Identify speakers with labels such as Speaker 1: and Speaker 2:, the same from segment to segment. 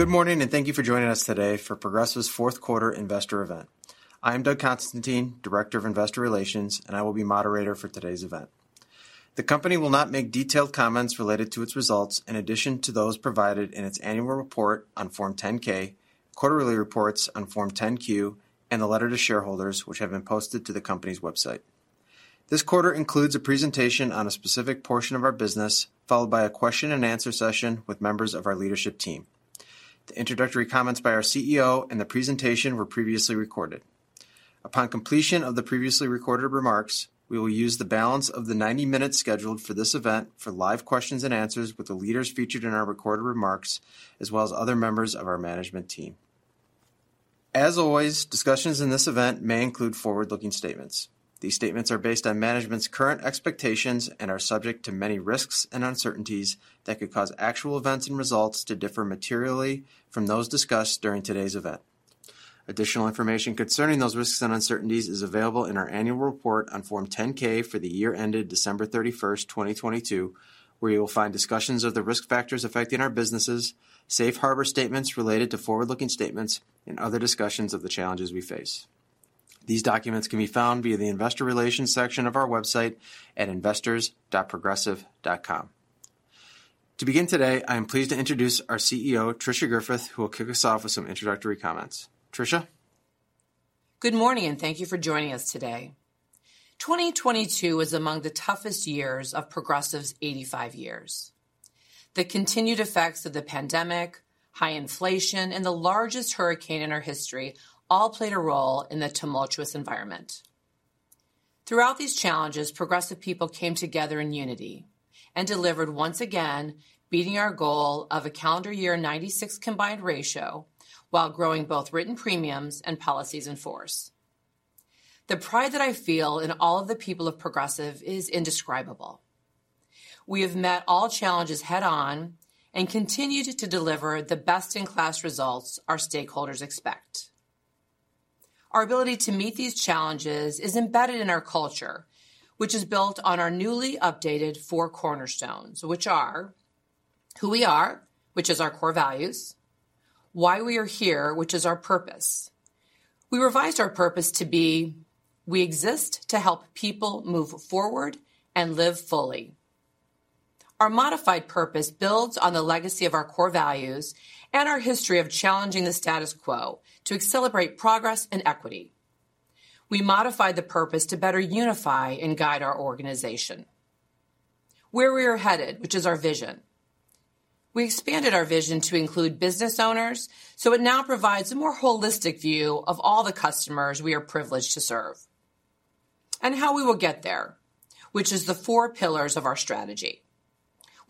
Speaker 1: Good morning, thank you for joining us today for Progressive's fourth quarter investor event. I am Doug Constantine, Director of Investor Relations, and I will be moderator for today's event. The company will not make detailed comments related to its results in addition to those provided in its annual report on Form 10-K, quarterly reports on Form 10-Q, and the letter to shareholders which have been posted to the company's website. This quarter includes a presentation on a specific portion of our business, followed by a question-and-answer session with members of our leadership team. The introductory comments by our CEO and the presentation were previously recorded. Upon completion of the previously recorded remarks, we will use the balance of the 90 minutes scheduled for this event for live questions and answers with the leaders featured in our recorded remarks, as well as other members of our management team. As always, discussions in this event may include forward-looking statements. These statements are based on management's current expectations and are subject to many risks and uncertainties that could cause actual events and results to differ materially from those discussed during today's event. Additional information concerning those risks and uncertainties is available in our annual report on Form 10-K for the year ended December 31st, 2022, where you will find discussions of the risk factors affecting our businesses, safe harbor statements related to forward-looking statements, and other discussions of the challenges we face. These documents can be found via the investor relations section of our website at investors.progressive.com. To begin today, I am pleased to introduce our CEO, Tricia Griffith, who will kick us off with some introductory comments. Tricia.
Speaker 2: Good morning, thank you for joining us today. 2022 is among the toughest years of Progressive's 85 years. The continued effects of the pandemic, high inflation, and the largest hurricane in our history all played a role in the tumultuous environment. Throughout these challenges, Progressive people came together in unity and delivered once again, beating our goal of a calendar year 96 combined ratio while growing both written premiums and policies in force. The pride that I feel in all of the people of Progressive is indescribable. We have met all challenges head-on and continued to deliver the best-in-class results our stakeholders expect. Our ability to meet these challenges is embedded in our culture, which is built on our newly updated four cornerstones, which are who we are, which is our core values, why we are here, which is our purpose. We revised our purpose to be, we exist to help people move forward and live fully. Our modified purpose builds on the legacy of our core values and our history of challenging the status quo to accelerate progress and equity. We modified the purpose to better unify and guide our organization. Where we are headed, which is our vision. We expanded our vision to include business owners, so it now provides a more holistic view of all the customers we are privileged to serve. How we will get there, which is the four pillars of our strategy.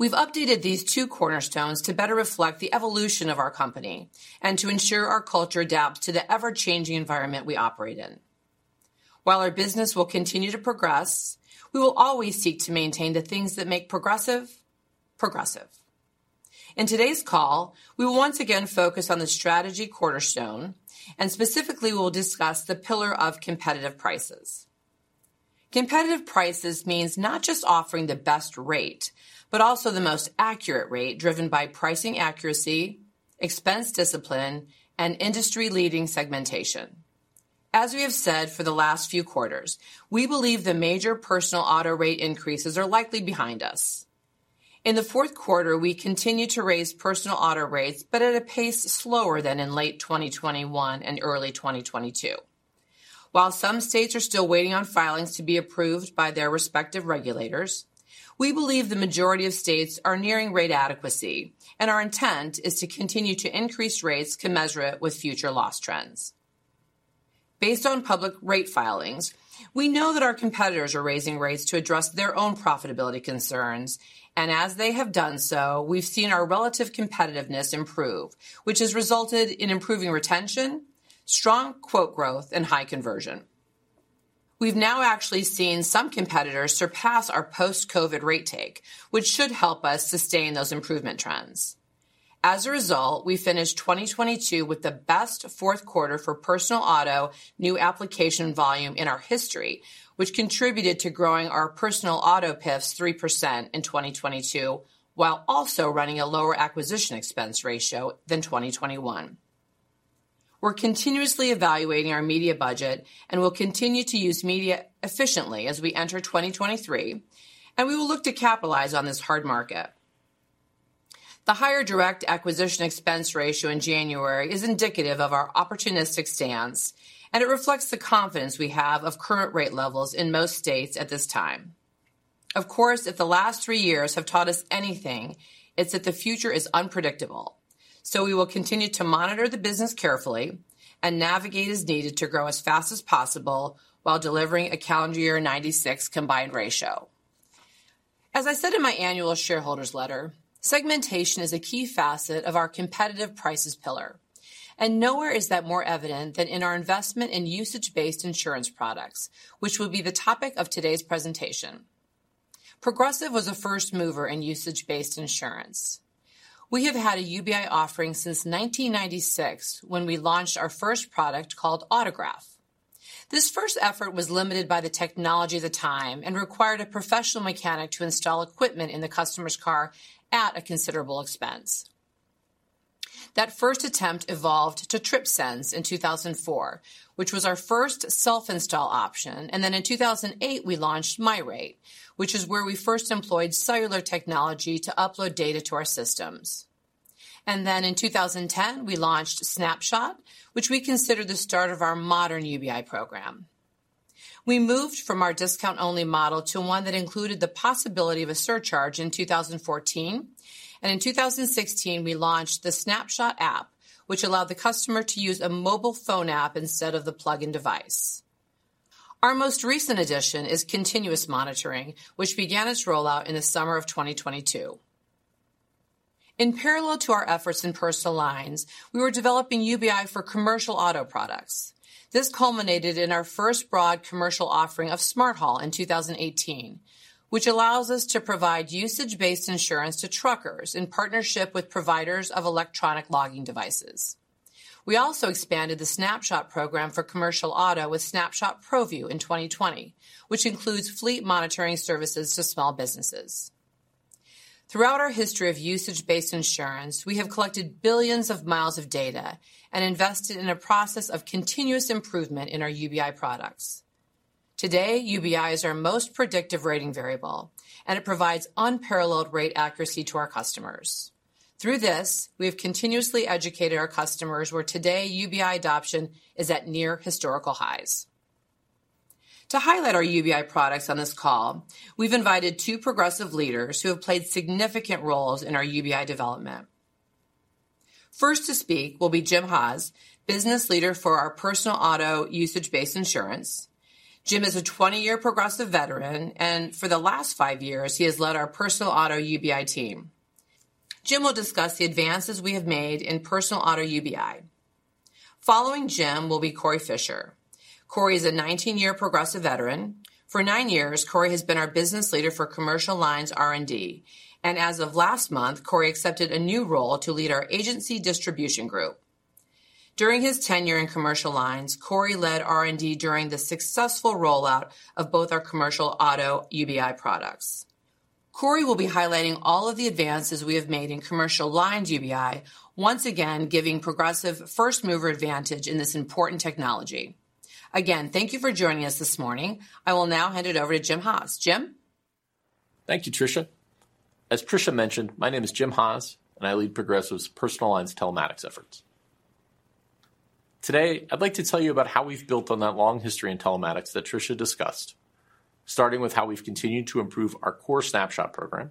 Speaker 2: We've updated these two cornerstones to better reflect the evolution of our company and to ensure our culture adapts to the ever-changing environment we operate in. While our business will continue to progress, we will always seek to maintain the things that make Progressive. In today's call, we will once again focus on the strategy cornerstone, specifically, we'll discuss the pillar of competitive prices. Competitive prices means not just offering the best rate, but also the most accurate rate driven by pricing accuracy, expense discipline, and industry-leading segmentation. As we have said for the last few quarters, we believe the major personal auto rate increases are likely behind us. In the fourth quarter, we continued to raise personal auto rates, at a pace slower than in late 2021 and early 2022. While some states are still waiting on filings to be approved by their respective regulators, we believe the majority of states are nearing rate adequacy, our intent is to continue to increase rates commensurate with future loss trends. Based on public rate filings, we know that our competitors are raising rates to address their own profitability concerns, and as they have done so, we've seen our relative competitiveness improve, which has resulted in improving retention, strong quote growth, and high conversion. We've now actually seen some competitors surpass our post-COVID rate take, which should help us sustain those improvement trends. As a result, we finished 2022 with the best fourth quarter for personal auto new application volume in our history, which contributed to growing our personal auto PIFs 3% in 2022, while also running a lower acquisition expense ratio than 2021. We're continuously evaluating our media budget and will continue to use media efficiently as we enter 2023. We will look to capitalize on this hard market. The higher direct acquisition expense ratio in January is indicative of our opportunistic stance. It reflects the confidence we have of current rate levels in most states at this time. Of course, if the last three years have taught us anything, it's that the future is unpredictable. We will continue to monitor the business carefully and navigate as needed to grow as fast as possible while delivering a calendar year 96 combined ratio. I said in my annual shareholders letter, segmentation is a key facet of our competitive prices pillar. Nowhere is that more evident than in our investment in usage-based insurance products, which will be the topic of today's presentation. Progressive was a first mover in usage-based insurance. We have had a UBI offering since 1996 when we launched our first product called Autograph. This first effort was limited by the technology of the time and required a professional mechanic to install equipment in the customer's car at a considerable expense. That first attempt evolved to TripSense in 2004, which was our first self-install option. In 2008, we launched MyRate, which is where we first employed cellular technology to upload data to our systems. In 2010, we launched Snapshot, which we consider the start of our modern UBI program. We moved from our discount-only model to one that included the possibility of a surcharge in 2014. In 2016, we launched the Snapshot app, which allowed the customer to use a mobile phone app instead of the plugin device. Our most recent addition is continuous monitoring, which began its rollout in the summer of 2022. In parallel to our efforts in personal lines, we were developing UBI for commercial auto products. This culminated in our first broad commercial offering of Smart Haul in 2018, which allows us to provide usage-based insurance to truckers in partnership with providers of electronic logging devices. We also expanded the Snapshot program for commercial auto with Snapshot ProView in 2020, which includes fleet monitoring services to small businesses. Throughout our history of usage-based insurance, we have collected billions of miles of data and invested in a process of continuous improvement in our UBI products. Today, UBI is our most predictive rating variable, and it provides unparalleled rate accuracy to our customers. Through this, we have continuously educated our customers where today UBI adoption is at near historical highs. To highlight our UBI products on this call, we've invited two Progressive leaders who have played significant roles in our UBI development. First to speak will be Jim Haas, business leader for our personal auto usage-based insurance. Jim is a 20-year Progressive veteran, and for the last five years, he has led our personal auto UBI team. Jim will discuss the advances we have made in personal auto UBI. Following Jim will be Cory Fischer. Cory is a 19-year Progressive veteran. For nine years, Cory has been our business leader for commercial lines R&D, and as of last month, Cory accepted a new role to lead our agency distribution group. During his tenure in commercial lines, Cory led R&D during the successful rollout of both our commercial auto UBI products. Cory will be highlighting all of the advances we have made in commercial lines UBI, once again giving Progressive first-mover advantage in this important technology. Thank you for joining us this morning. I will now hand it over to Jim Haas. Jim?
Speaker 3: Thank you, Tricia. As Tricia mentioned, my name is Jim Haas, and I lead Progressive's personal lines telematics efforts. Today, I'd like to tell you about how we've built on that long history in telematics that Tricia discussed, starting with how we've continued to improve our core Snapshot program,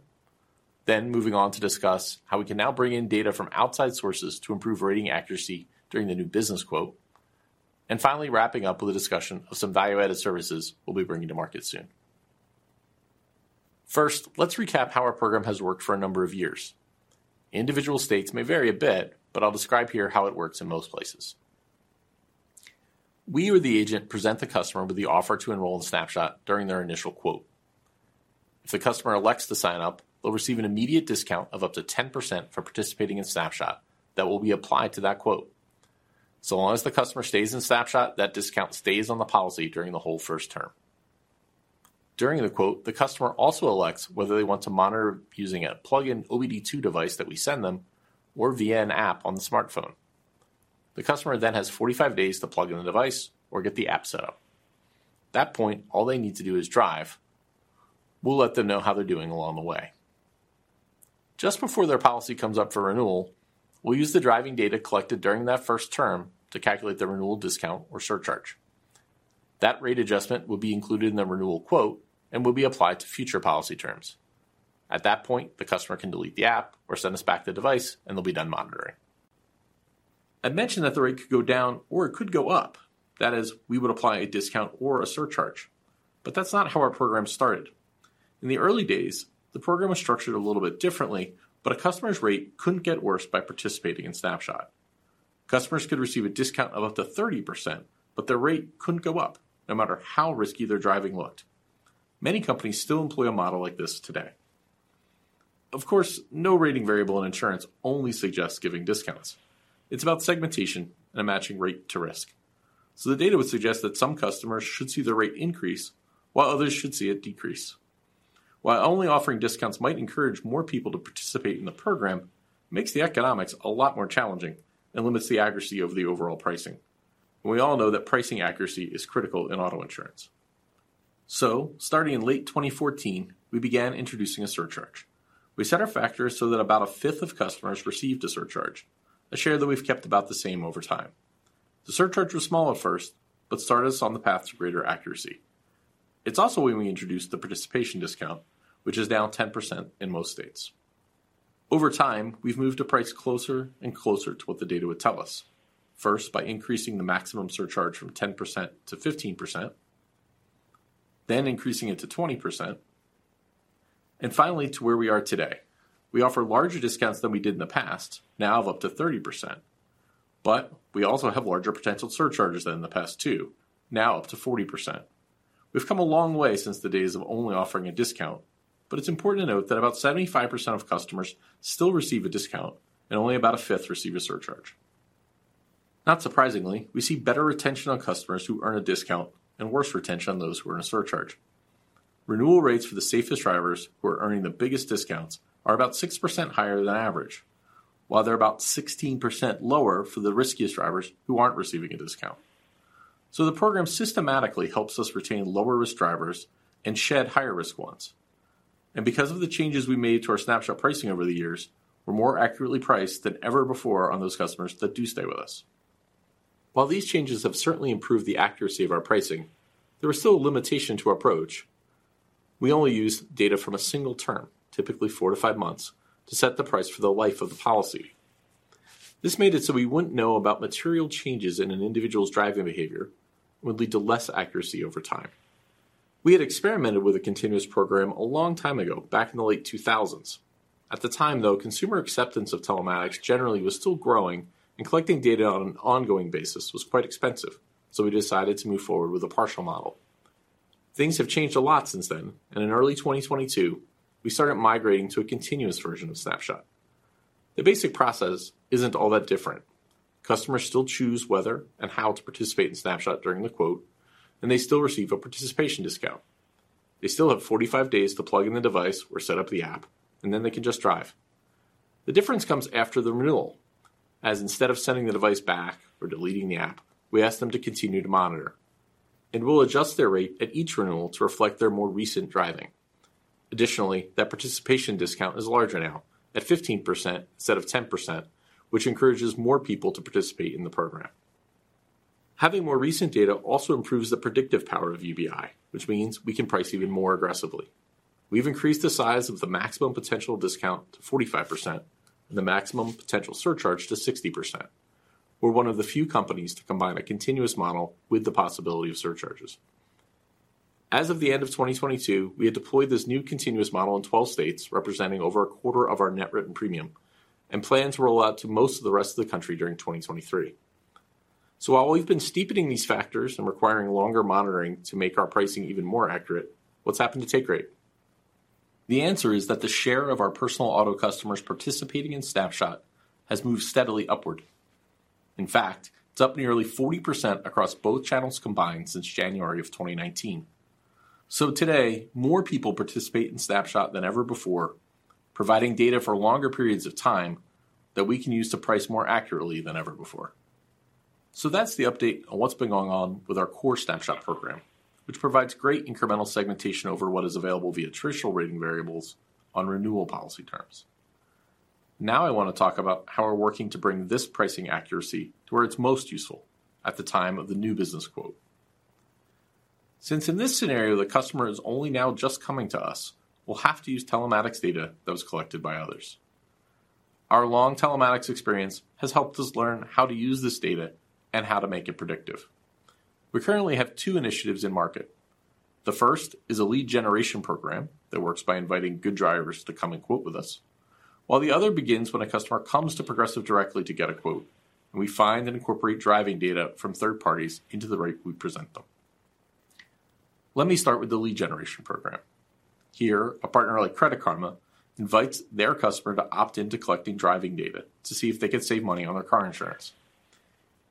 Speaker 3: then moving on to discuss how we can now bring in data from outside sources to improve rating accuracy during the new business quote, and finally wrapping up with a discussion of some value-added services we'll be bringing to market soon. First, let's recap how our program has worked for a number of years. Individual states may vary a bit, but I'll describe here how it works in most places. We or the agent present the customer with the offer to enroll in Snapshot during their initial quote. If the customer elects to sign up, they'll receive an immediate discount of up to 10% for participating in Snapshot that will be applied to that quote. Long as the customer stays in Snapshot, that discount stays on the policy during the whole first term. During the quote, the customer also elects whether they want to monitor using a plugin OBD-II device that we send them or via an app on the smartphone. The customer has 45 days to plug in the device or get the app set up. At that point, all they need to do is drive. We'll let them know how they're doing along the way. Just before their policy comes up for renewal, we'll use the driving data collected during that first term to calculate the renewal discount or surcharge. That rate adjustment will be included in the renewal quote and will be applied to future policy terms. At that point, the customer can delete the app or send us back the device, and they'll be done monitoring. I mentioned that the rate could go down or it could go up. That is, we would apply a discount or a surcharge, but that's not how our program started. In the early days, the program was structured a little bit differently, but a customer's rate couldn't get worse by participating in Snapshot. Customers could receive a discount of up to 30%, but their rate couldn't go up, no matter how risky their driving looked. Many companies still employ a model like this today. Of course, no rating variable in insurance only suggests giving discounts. It's about segmentation and matching rate to risk. The data would suggest that some customers should see their rate increase while others should see it decrease. While only offering discounts might encourage more people to participate in the program, makes the economics a lot more challenging and limits the accuracy of the overall pricing. We all know that pricing accuracy is critical in auto insurance. Starting in late 2014, we began introducing a surcharge. We set our factors so that about a fifth of customers received a surcharge, a share that we've kept about the same over time. The surcharge was small at first but started us on the path to greater accuracy. It's also when we introduced the participation discount, which is now 10% in most states. We've moved to price closer and closer to what the data would tell us. First, by increasing the maximum surcharge from 10%-15%, then increasing it to 20%, and finally to where we are today. We offer larger discounts than we did in the past, now of up to 30%, but we also have larger potential surcharges than in the past, too, now up to 40%. We've come a long way since the days of only offering a discount, but it's important to note that about 75% of customers still receive a discount and only about a fifth receive a surcharge. Not surprisingly, we see better retention on customers who earn a discount and worse retention on those who earn a surcharge. Renewal rates for the safest drivers who are earning the biggest discounts are about 6% higher than average, while they're about 16% lower for the riskiest drivers who aren't receiving a discount. The program systematically helps us retain lower-risk drivers and shed higher-risk ones. Because of the changes we made to our Snapshot pricing over the years, we're more accurately priced than ever before on those customers that do stay with us. While these changes have certainly improved the accuracy of our pricing, there is still a limitation to our approach. We only use data from a single term, typically four-five months, to set the price for the life of the policy. This made it so we wouldn't know about material changes in an individual's driving behavior, would lead to less accuracy over time. We had experimented with a continuous program a long time ago, back in the late 2000s. At the time, though, consumer acceptance of telematics generally was still growing, and collecting data on an ongoing basis was quite expensive. We decided to move forward with a partial model. Things have changed a lot since then. In early 2022, we started migrating to a continuous version of Snapshot. The basic process isn't all that different. Customers still choose whether and how to participate in Snapshot during the quote, and they still receive a participation discount. They still have 45 days to plug in the device or set up the app, and then they can just drive. The difference comes after the renewal, as instead of sending the device back or deleting the app, we ask them to continue to monitor, and we'll adjust their rate at each renewal to reflect their more recent driving. Additionally, that participation discount is larger now, at 15% instead of 10%, which encourages more people to participate in the program. Having more recent data also improves the predictive power of UBI, which means we can price even more aggressively. We've increased the size of the maximum potential discount to 45% and the maximum potential surcharge to 60%. We're one of the few companies to combine a continuous model with the possibility of surcharges. As of the end of 2022, we had deployed this new continuous model in 12 states, representing over a quarter of our net written premium, and plan to roll out to most of the rest of the country during 2023. While we've been steepening these factors and requiring longer monitoring to make our pricing even more accurate, what's happened to take rate? The answer is that the share of our personal auto customers participating in Snapshot has moved steadily upward. In fact, it's up nearly 40% across both channels combined since January of 2019. Today, more people participate in Snapshot than ever before, providing data for longer periods of time that we can use to price more accurately than ever before. That's the update on what's been going on with our core Snapshot program, which provides great incremental segmentation over what is available via traditional rating variables on renewal policy terms. Now I want to talk about how we're working to bring this pricing accuracy to where it's most useful: at the time of the new business quote. Since in this scenario, the customer is only now just coming to us, we'll have to use telematics data that was collected by others. Our long telematics experience has helped us learn how to use this data and how to make it predictive. We currently have two initiatives in market. The first is a lead generation program that works by inviting good drivers to come and quote with us, while the other begins when a customer comes to Progressive directly to get a quote, and we find and incorporate driving data from third parties into the rate we present them. Let me start with the lead generation program. Here, a partner like Credit Karma invites their customer to opt in to collecting driving data to see if they can save money on their car insurance.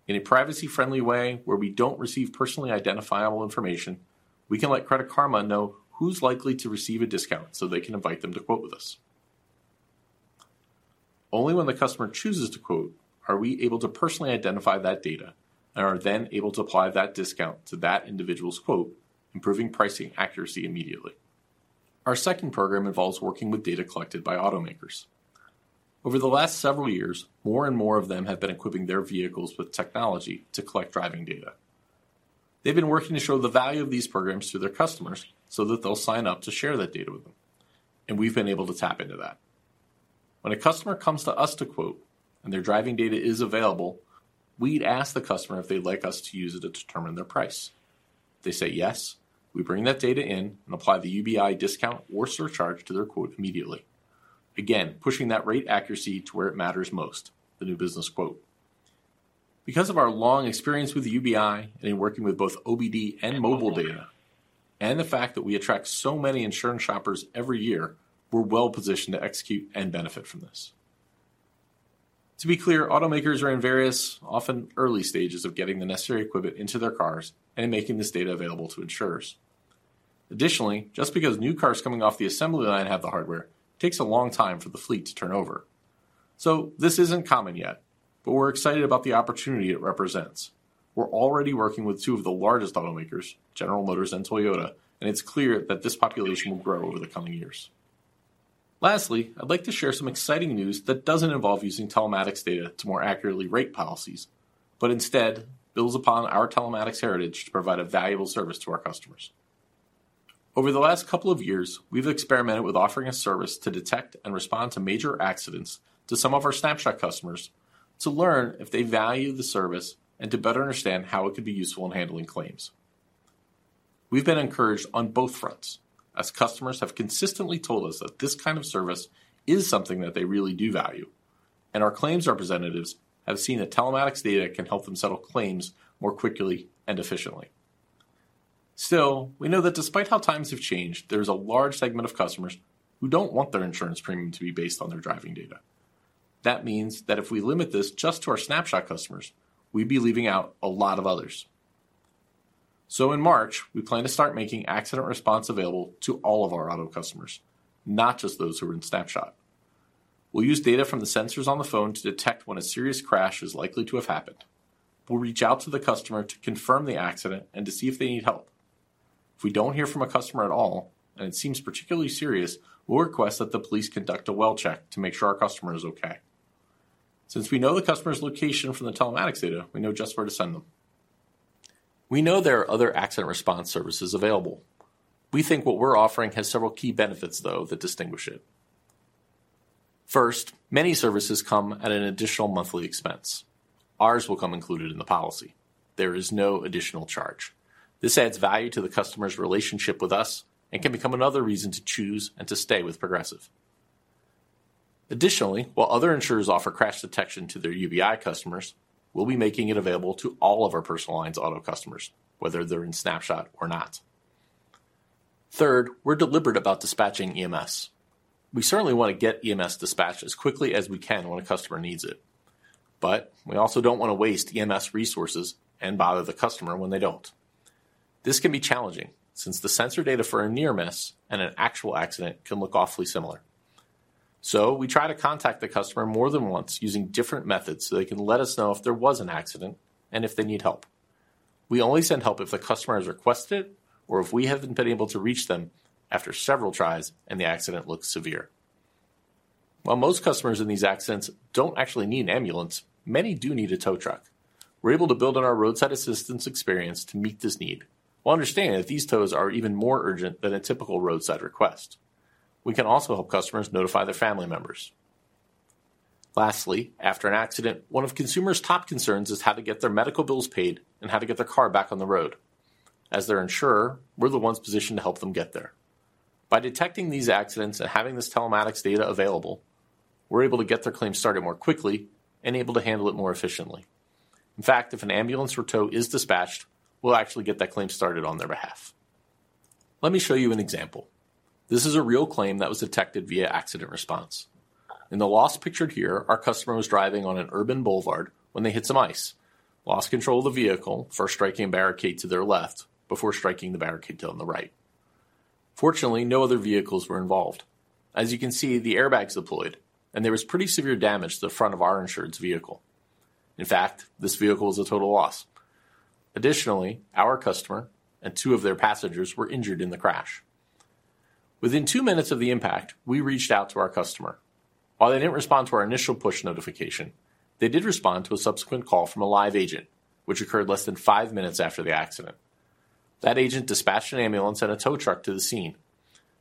Speaker 3: In a privacy-friendly way where we don't receive personally identifiable information, we can let Credit Karma know who's likely to receive a discount, so they can invite them to quote with us. Only when the customer chooses to quote are we able to personally identify that data and are then able to apply that discount to that individual's quote, improving pricing accuracy immediately. Our second program involves working with data collected by automakers. Over the last several years, more and more of them have been equipping their vehicles with technology to collect driving data. They've been working to show the value of these programs to their customers, so that they'll sign up to share that data with them, and we've been able to tap into that. When a customer comes to us to quote and their driving data is available, we'd ask the customer if they'd like us to use it to determine their price. If they say yes, we bring that data in and apply the UBI discount or surcharge to their quote immediately. Again, pushing that rate accuracy to where it matters most, the new business quote. Because of our long experience with UBI and in working with both OBD and mobile data, and the fact that we attract so many insurance shoppers every year, we're well-positioned to execute and benefit from this. To be clear, automakers are in various, often early, stages of getting the necessary equipment into their cars and making this data available to insurers. Additionally, just because new cars coming off the assembly line have the hardware, takes a long time for the fleet to turn over. this isn't common yet, but we're excited about the opportunity it represents. We're already working with two of the largest automakers, General Motors and Toyota, and it's clear that this population will grow over the coming years. Lastly, I'd like to share some exciting news that doesn't involve using telematics data to more accurately rate policies, but instead builds upon our telematics heritage to provide a valuable service to our customers. Over the last couple of years, we've experimented with offering a service to detect and respond to major accidents to some of our Snapshot customers to learn if they value the service and to better understand how it could be useful in handling claims. We've been encouraged on both fronts, as customers have consistently told us that this kind of service is something that they really do value. Our claims representatives have seen that telematics data can help them settle claims more quickly and efficiently. Still, we know that despite how times have changed, there's a large segment of customers who don't want their insurance premium to be based on their driving data. That means that if we limit this just to our Snapshot customers, we'd be leaving out a lot of others. In March, we plan to start making Accident Response available to all of our auto customers, not just those who are in Snapshot. We'll use data from the sensors on the phone to detect when a serious crash is likely to have happened. We'll reach out to the customer to confirm the accident and to see if they need help. If we don't hear from a customer at all, and it seems particularly serious, we'll request that the police conduct a well check to make sure our customer is okay. Since we know the customer's location from the telematics data, we know just where to send them. We know there are other accident response services available. We think what we're offering has several key benefits, though, that distinguish it. First, many services come at an additional monthly expense. Ours will come included in the policy. There is no additional charge. This adds value to the customer's relationship with us and can become another reason to choose and to stay with Progressive. Additionally, while other insurers offer crash detection to their UBI customers, we'll be making it available to all of our personal lines auto customers, whether they're in Snapshot or not. Third, we're deliberate about dispatching EMS. We certainly want to get EMS dispatched as quickly as we can when a customer needs it, but we also don't want to waste EMS resources and bother the customer when they don't. This can be challenging since the sensor data for a near miss and an actual accident can look awfully similar. We try to contact the customer more than once using different methods, so they can let us know if there was an accident and if they need help. We only send help if the customer has requested or if we haven't been able to reach them after several tries and the accident looks severe. Most customers in these accidents don't actually need an ambulance, many do need a tow truck. We're able to build on our roadside assistance experience to meet this need while understanding that these tows are even more urgent than a typical roadside request. We can also help customers notify their family members. After an accident, one of consumer's top concerns is how to get their medical bills paid and how to get their car back on the road. As their insurer, we're the ones positioned to help them get there. By detecting these accidents and having this telematics data available, we're able to get their claim started more quickly and able to handle it more efficiently. In fact, if an ambulance or tow is dispatched, we'll actually get that claim started on their behalf. Let me show you an example. This is a real claim that was detected via Accident Response. In the loss pictured here, our customer was driving on an urban boulevard when they hit some ice, lost control of the vehicle, first striking a barricade to their left before striking the barricade to on the right. Fortunately, no other vehicles were involved. As you can see, the airbags deployed, and there was pretty severe damage to the front of our insured's vehicle. In fact, this vehicle was a total loss. Additionally, our customer and two of their passengers were injured in the crash. Within two minutes of the impact, we reached out to our customer. While they didn't respond to our initial push notification, they did respond to a subsequent call from a live agent, which occurred less than five minutes after the accident. That agent dispatched an ambulance and a tow truck to the scene.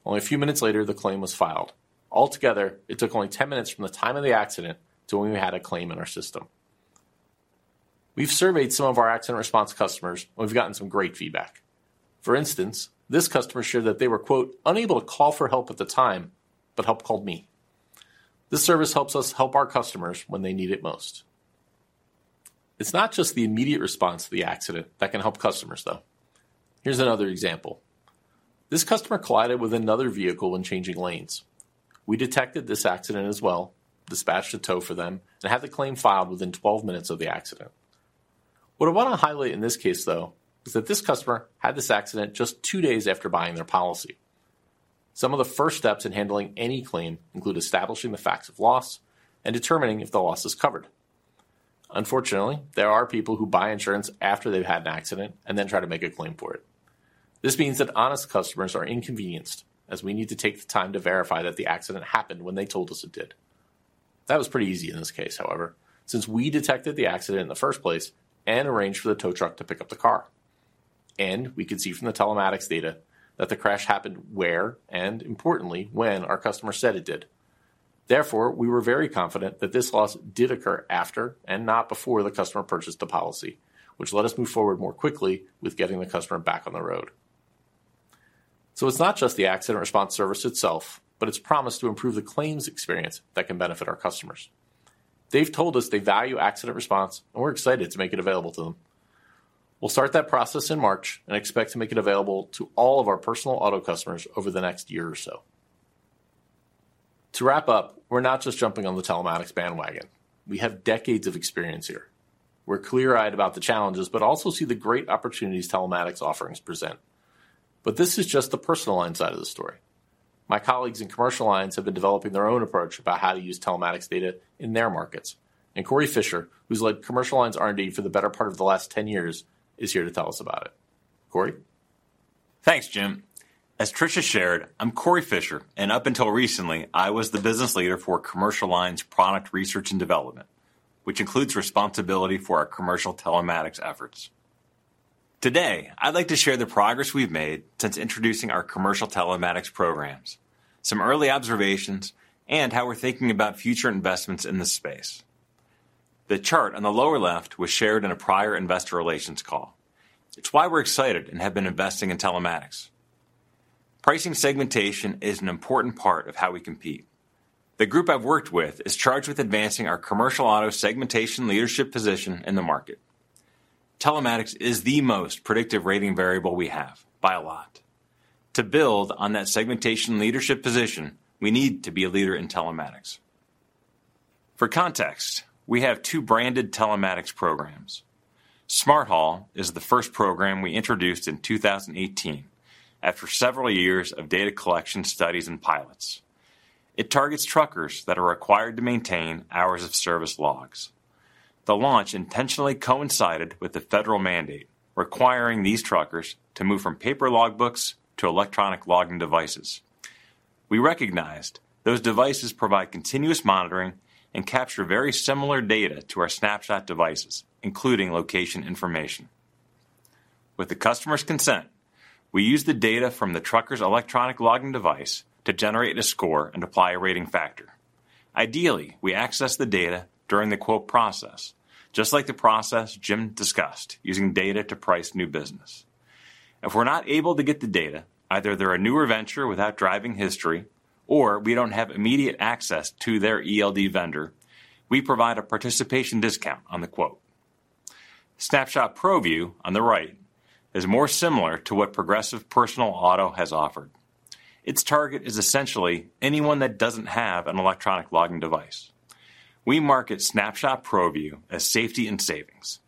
Speaker 3: Only a few minutes later, the claim was filed. Altogether, it took only 10 minutes from the time of the accident to when we had a claim in our system. We've surveyed some of our Accident Response customers, and we've gotten some great feedback. For instance, this customer shared that they were, quote, "Unable to call for help at the time, but help called me." This service helps us help our customers when they need it most. It's not just the immediate response to the accident that can help customers, though. Here's another example. This customer collided with another vehicle when changing lanes. We detected this accident as well, dispatched a tow for them, and had the claim filed within 12 minutes of the accident. What I wanna highlight in this case, though, is that this customer had this accident just two days after buying their policy. Some of the first steps in handling any claim include establishing the facts of loss and determining if the loss is covered. Unfortunately, there are people who buy insurance after they've had an accident and then try to make a claim for it. This means that honest customers are inconvenienced, as we need to take the time to verify that the accident happened when they told us it did. That was pretty easy in this case, however, since we detected the accident in the first place and arranged for the tow truck to pick up the car. We could see from the telematics data that the crash happened where, and importantly, when our customer said it did. Therefore, we were very confident that this loss did occur after and not before the customer purchased the policy, which let us move forward more quickly with getting the customer back on the road. It's not just the Accident Response service itself, but it's promised to improve the claims experience that can benefit our customers. They've told us they value Accident Response, and we're excited to make it available to them. We'll start that process in March and expect to make it available to all of our personal auto customers over the next year or so. To wrap up, we're not just jumping on the telematics bandwagon. We have decades of experience here. We're clear-eyed about the challenges but also see the great opportunities telematics offerings present. This is just the personal line side of the story. My colleagues in commercial lines have been developing their own approach about how to use telematics data in their markets. Cory Fischer, who's led commercial lines R&D for the better part of the last 10 years, is here to tell us about it. Cory?
Speaker 4: Thanks, Jim. As Tricia shared, I'm Cory Fischer, and up until recently, I was the Business Leader for Commercial Lines Product Research and Development, which includes responsibility for our commercial telematics efforts. Today, I'd like to share the progress we've made since introducing our commercial telematics programs, some early observations, and how we're thinking about future investments in this space. The chart on the lower left was shared in a prior investor relations call. It's why we're excited and have been investing in telematics. Pricing segmentation is an important part of how we compete. The group I've worked with is charged with advancing our commercial auto segmentation leadership position in the market. Telematics is the most predictive rating variable we have, by a lot. To build on that segmentation leadership position, we need to be a leader in telematics. For context, we have two branded telematics programs. Smart Haul is the first program we introduced in 2018 after several years of data collection studies and pilots. It targets truckers that are required to maintain hours of service logs. The launch intentionally coincided with the federal mandate, requiring these truckers to move from paper logbooks to electronic logging devices. We recognized those devices provide continuous monitoring and capture very similar data to our Snapshot devices, including location information. With the customer's consent, we use the data from the trucker's electronic logging device to generate a score and apply a rating factor. Ideally, we access the data during the quote process, just like the process Jim discussed using data to price new business. If we're not able to get the data, either they're a newer venture without driving history or we don't have immediate access to their ELD vendor, we provide a participation discount on the quote. Snapshot ProView on the right is more similar to what Progressive Personal Auto has offered. Its target is essentially anyone that doesn't have an electronic logging device. We market Snapshot ProView as safety and savings.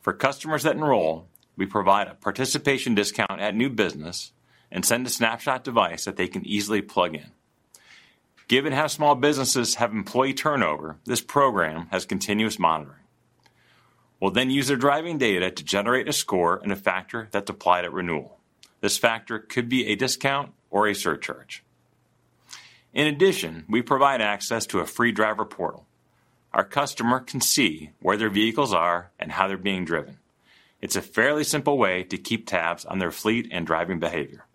Speaker 4: For customers that enroll, we provide a participation discount at new business and send a Snapshot device that they can easily plug in. Given how small businesses have employee turnover, this program has continuous monitoring. We'll then use their driving data to generate a score and a factor that's applied at renewal. This factor could be a discount or a surcharge. In addition, we provide access to a free driver portal. Our customer can see where their vehicles are and how they're being driven. It's a fairly simple way to keep tabs on their fleet and driving behavior.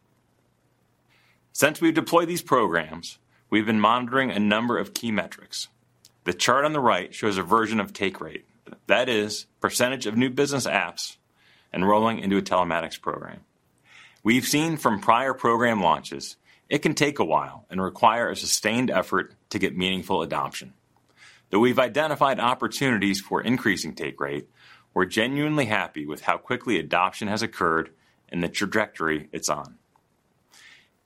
Speaker 4: Since we've deployed these programs, we've been monitoring a number of key metrics. The chart on the right shows a version of take rate. That is percentage of new business apps enrolling into a telematics program. We've seen from prior program launches, it can take a while and require a sustained effort to get meaningful adoption. Though we've identified opportunities for increasing take rate, we're genuinely happy with how quickly adoption has occurred and the trajectory it's on.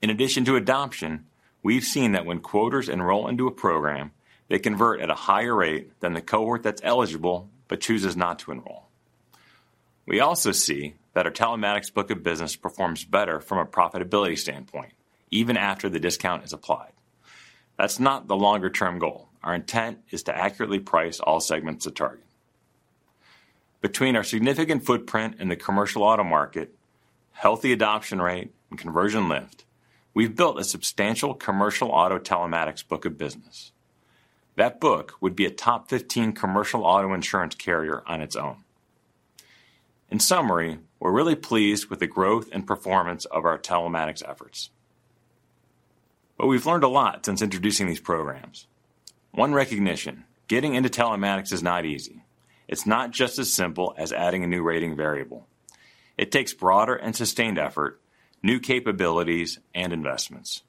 Speaker 4: In addition to adoption, we've seen that when quoters enroll into a program, they convert at a higher rate than the cohort that's eligible but chooses not to enroll. We also see that our telematics book of business performs better from a profitability standpoint, even after the discount is applied. That's not the longer term goal. Our intent is to accurately price all segments of target. Between our significant footprint in the commercial auto market, healthy adoption rate, and conversion lift, we've built a substantial commercial auto telematics book of business. That book would be a top 15 commercial auto insurance carrier on its own. In summary, we're really pleased with the growth and performance of our telematics efforts. We've learned a lot since introducing these programs. One recognition, getting into telematics is not easy. It's not just as simple as adding a new rating variable. It takes broader and sustained effort, new capabilities, and investments.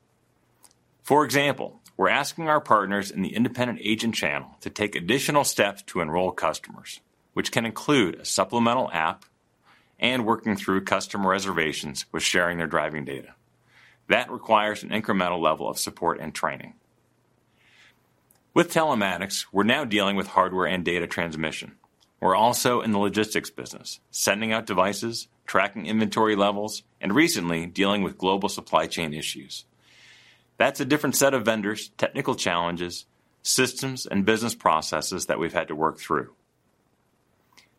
Speaker 4: For example, we're asking our partners in the independent agent channel to take additional steps to enroll customers, which can include a supplemental app and working through customer reservations with sharing their driving data. That requires an incremental level of support and training. With telematics, we're now dealing with hardware and data transmission. We're also in the logistics business, sending out devices, tracking inventory levels, and recently dealing with global supply chain issues. That's a different set of vendors, technical challenges, systems, and business processes that we've had to work through.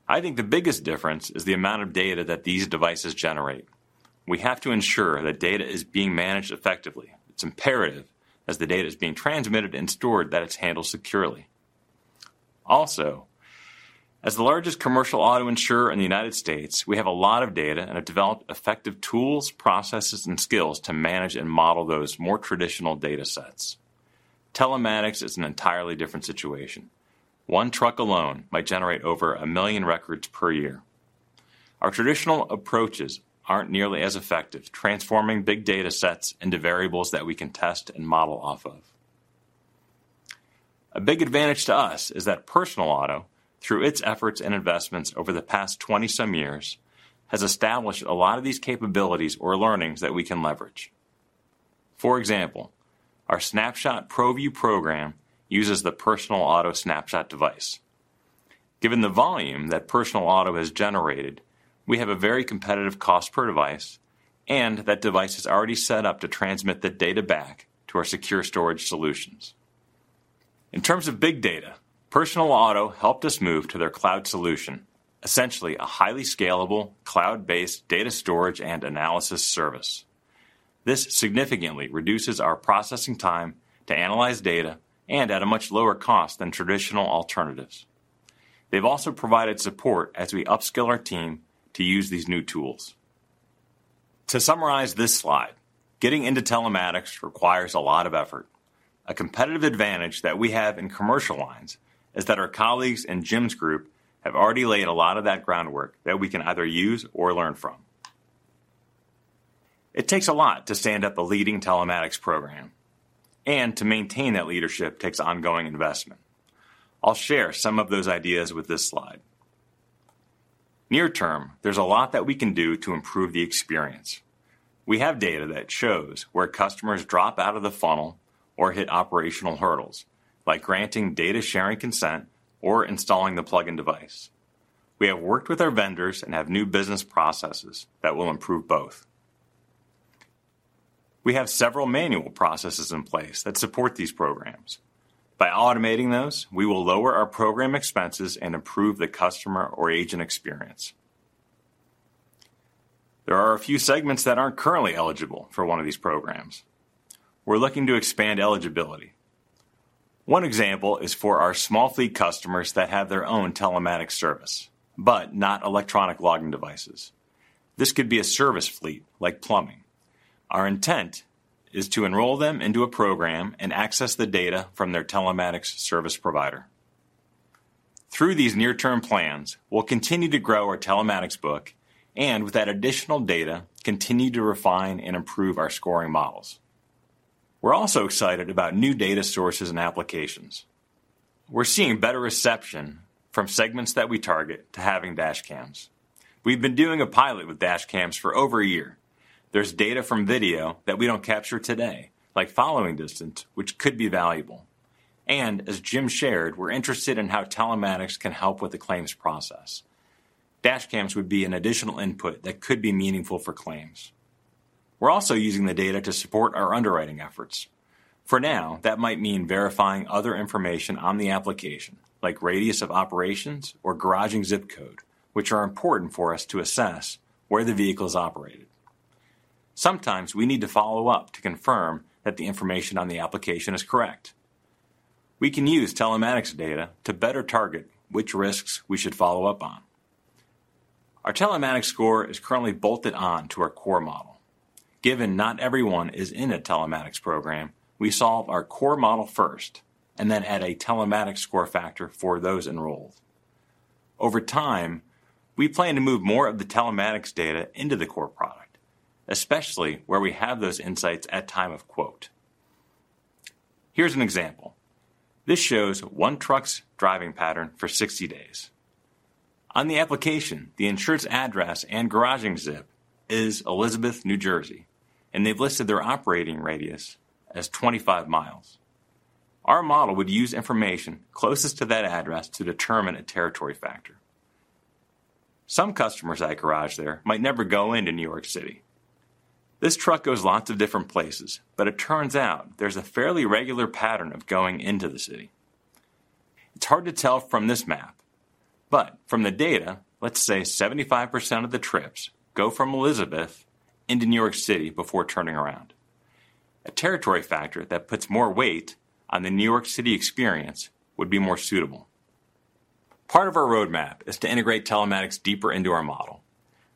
Speaker 4: I think the biggest difference is the amount of data that these devices generate. We have to ensure that data is being managed effectively. It's imperative as the data is being transmitted and stored that it's handled securely. Also, as the largest commercial auto insurer in the United States, we have a lot of data and have developed effective tools, processes, and skills to manage and model those more traditional data sets. Telematics is an entirely different situation. One truck alone might generate over one million records per year. Our traditional approaches aren't nearly as effective transforming big data sets into variables that we can test and model off of. A big advantage to us is that Personal Auto, through its efforts and investments over the past 20 some years, has established a lot of these capabilities or learnings that we can leverage. For example, our Snapshot ProView program uses the Personal Auto Snapshot device. Given the volume that Personal Auto has generated, we have a very competitive cost per device, and that device is already set up to transmit the data back to our secure storage solutions. In terms of big data, Personal Auto helped us move to their cloud solution, essentially a highly scalable cloud-based data storage and analysis service. This significantly reduces our processing time to analyze data and at a much lower cost than traditional alternatives. They've also provided support as we upskill our team to use these new tools. To summarize this slide, getting into telematics requires a lot of effort. A competitive advantage that we have in commercial lines is that our colleagues in Jim's group have already laid a lot of that groundwork that we can either use or learn from. It takes a lot to stand up a leading telematics program, and to maintain that leadership takes ongoing investment. I'll share some of those ideas with this slide. Near term, there's a lot that we can do to improve the experience. We have data that shows where customers drop out of the funnel or hit operational hurdles, like granting data sharing consent or installing the plugin device. We have worked with our vendors and have new business processes that will improve both. We have several manual processes in place that support these programs. By automating those, we will lower our program expenses and improve the customer or agent experience. There are a few segments that aren't currently eligible for one of these programs. We're looking to expand eligibility. One example is for our small fleet customers that have their own telematics service, but not electronic logging devices. This could be a service fleet like plumbing. Our intent is to enroll them into a program and access the data from their telematics service provider. Through these near-term plans, we'll continue to grow our telematics book, and with that additional data, continue to refine and improve our scoring models. We're also excited about new data sources and applications. We're seeing better reception from segments that we target to having dash cams. We've been doing a pilot with dash cams for over a year. There's data from video that we don't capture today, like following distance, which could be valuable. As Jim shared, we're interested in how telematics can help with the claims process. Dash cams would be an additional input that could be meaningful for claims. We're also using the data to support our underwriting efforts. For now, that might mean verifying other information on the application, like radius of operations or garaging zip code, which are important for us to assess where the vehicle is operated. Sometimes we need to follow up to confirm that the information on the application is correct. We can use telematics data to better target which risks we should follow up on. Our telematics score is currently bolted on to our core model. Given not everyone is in a telematics program, we solve our core model first and then add a telematics score factor for those enrolled. Over time, we plan to move more of the telematics data into the core product, especially where we have those insights at time of quote. Here's an example. This shows one truck's driving pattern for 60 days. On the application, the insurance address and garaging zip is Elizabeth, New Jersey, and they've listed their operating radius as 25 miles. Our model would use information closest to that address to determine a territory factor. Some customers that garage there might never go into New York City. This truck goes lots of different places, but it turns out there's a fairly regular pattern of going into the city. It's hard to tell from this map, but from the data, let's say 75% of the trips go from Elizabeth into New York City before turning around. A territory factor that puts more weight on the New York City experience would be more suitable. Part of our roadmap is to integrate telematics deeper into our model.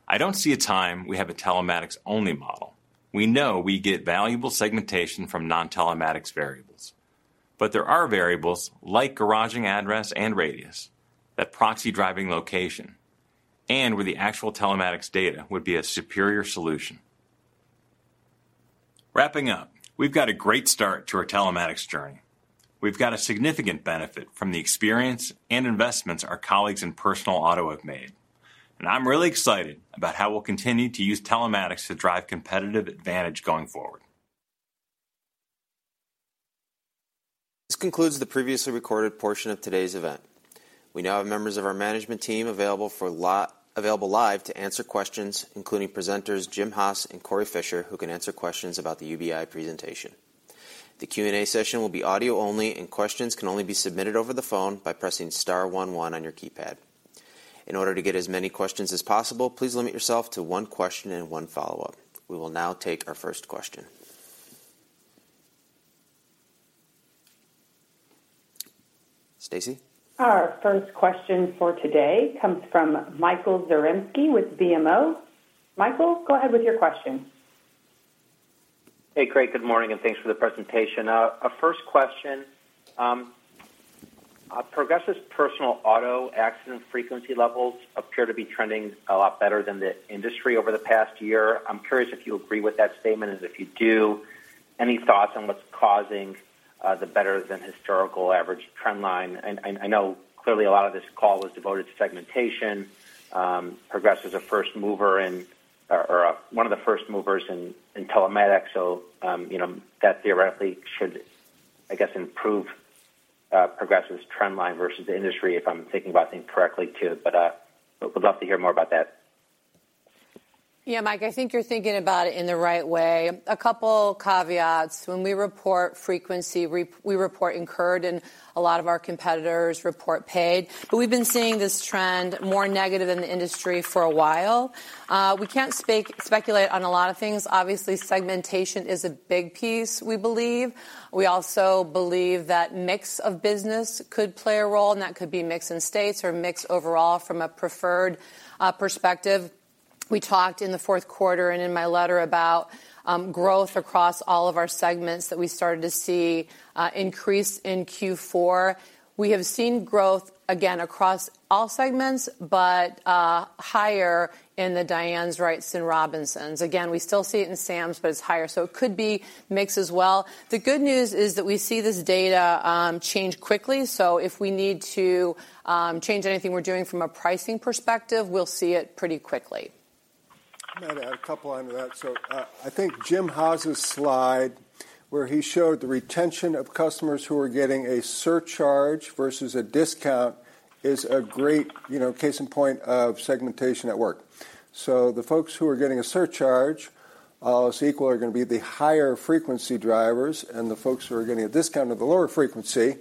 Speaker 4: I don't see a time we have a telematics-only model. We know we get valuable segmentation from non-telematics variables. But there are variables like garaging address and radius that proxy driving location and where the actual telematics data would be a superior solution. Wrapping up, we've got a great start to our telematics journey. We've got a significant benefit from the experience and investments our colleagues in personal auto have made, and I'm really excited about how we'll continue to use telematics to drive competitive advantage going forward.
Speaker 1: This concludes the previously recorded portion of today's event. We now have members of our management team available live to answer questions, including presenters Jim Haas and Cory Fischer, who can answer questions about the UBI presentation. The Q&A session will be audio only, and questions can only be submitted over the phone by pressing star one one on your keypad. In order to get as many questions as possible, please limit yourself to one question and one follow-up. We will now take our first question. Stacy?
Speaker 5: Our first question for today comes from Michael Zaremski with BMO. Michael, go ahead with your question.
Speaker 6: Hey, great. Good morning, and thanks for the presentation. Our first question, Progressive's personal auto accident frequency levels appear to be trending a lot better than the industry over the past year. I'm curious if you agree with that statement. If you do, any thoughts on what's causing the better than historical average trend line? I know clearly a lot of this call was devoted to segmentation. Progressive's a first mover in or one of the first movers in telematics, so, you know, that theoretically should, I guess, improve Progressive's trend line versus the industry, if I'm thinking about things correctly too. Would love to hear more about that.
Speaker 2: Yeah, Mike, I think you're thinking about it in the right way. A couple caveats. When we report frequency, we report incurred, and a lot of our competitors report paid. We've been seeing this trend more negative in the industry for a while. We can't speculate on a lot of things. Obviously, segmentation is a big piece, we believe. We also believe that mix of business could play a role, and that could be mix in states or mix overall from a preferred, perspective. We talked in the fourth quarter and in my letter about growth across all of our segments that we started to see increase in Q4. We have seen growth again across all segments, but higher in the Dianes, Wrights and Robinsons. Again, we still see it in Sams, but it's higher, so it could be mix as well. The good news is that we see this data change quickly, so if we need to change anything we're doing from a pricing perspective, we'll see it pretty quickly.
Speaker 7: May add a couple onto that. I think Jim Haas's slide, where he showed the retention of customers who are getting a surcharge versus a discount is a great, you know, case in point of segmentation at work. The folks who are getting a surcharge are going to be the higher frequency drivers, and the folks who are getting a discount at the lower frequency.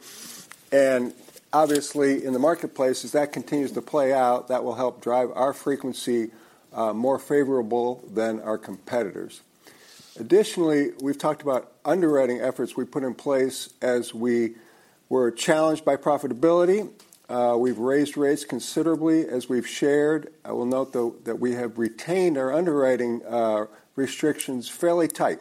Speaker 7: Obviously in the marketplace, as that continues to play out, that will help drive our frequency more favorable than our competitors. Additionally, we've talked about underwriting efforts we put in place as we were challenged by profitability. We've raised rates considerably as we've shared. I will note though that we have retained our underwriting restrictions fairly tight.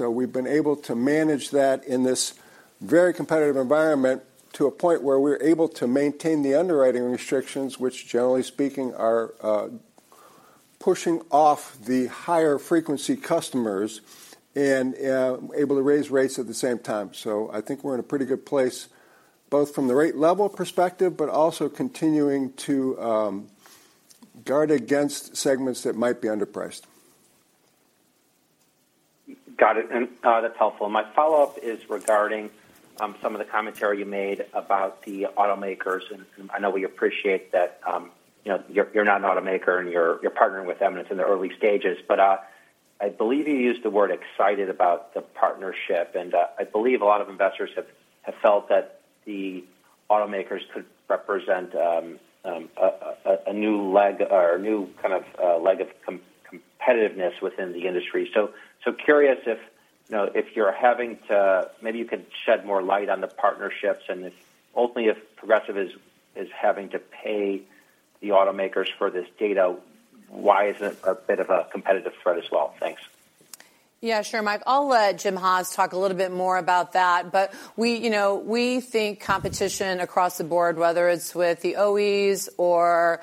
Speaker 7: We've been able to manage that in this very competitive environment to a point where we're able to maintain the underwriting restrictions, which generally speaking are pushing off the higher frequency customers and able to raise rates at the same time. I think we're in a pretty good place, both from the rate level perspective, but also continuing to guard against segments that might be underpriced.
Speaker 6: Got it. That's helpful. My follow-up is regarding some of the commentary you made about the automakers. I know we appreciate that, you know, you're not an automaker and you're partnering with them, and it's in the early stages. I believe you used the word excited about the partnership, and I believe a lot of investors have felt that the automakers could represent a new leg or a new kind of leg of competitiveness within the industry. Curious if, you know, if you're having to maybe you could shed more light on the partnerships and if ultimately if Progressive is having to pay the automakers for this data, why is it a bit of a competitive threat as well? Thanks.
Speaker 2: Yeah, sure, Mike. I'll let Jim Haas talk a little bit more about that. We, you know, we think competition across the board, whether it's with the OEs or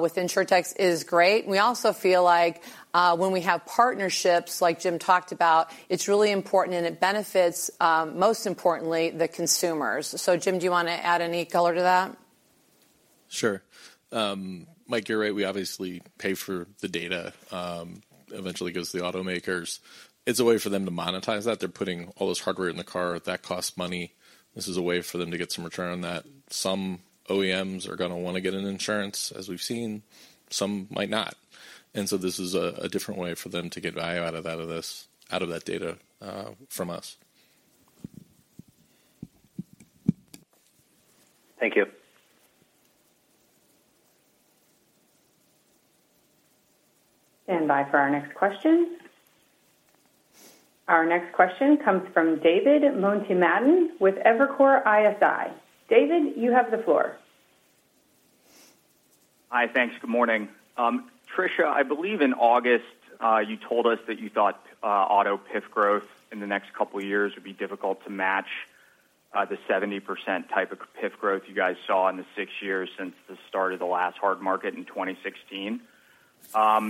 Speaker 2: with InsurTechs is great. We also feel like when we have partnerships like Jim talked about, it's really important and it benefits most importantly, the consumers. Jim, do you wanna add any color to that?
Speaker 3: Sure. Mike, you're right. We obviously pay for the data, eventually it goes to the automakers. It's a way for them to monetize that. They're putting all this hardware in the car, that costs money. This is a way for them to get some return on that. Some OEMs are gonna wanna get an insurance, as we've seen, some might not. This is a different way for them to get value out of that data from us.
Speaker 6: Thank you.
Speaker 5: Stand by for our next question. Our next question comes from David Motemaden with Evercore ISI. David, you have the floor.
Speaker 8: Hi. Thanks. Good morning. Tricia, I believe in August, you told us that you thought auto PIF growth in the next couple of years would be difficult to match the 70% type of PIF growth you guys saw in the six years since the start of the last hard market in 2016.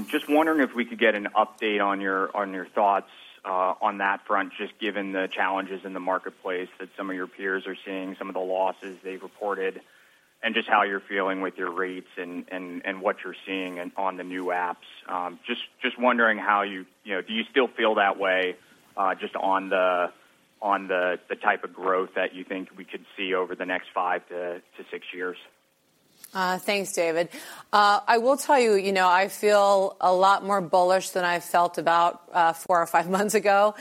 Speaker 8: Just wondering if we could get an update on your, on your thoughts on that front, just given the challenges in the marketplace that some of your peers are seeing, some of the losses they've reported, and what you're seeing on the new apps. Just wondering how you... You know, do you still feel that way, just on the type of growth that you think we could see over the next five to six years?
Speaker 2: Thanks, David. I will tell you know, I feel a lot more bullish than I felt about four or five months ago.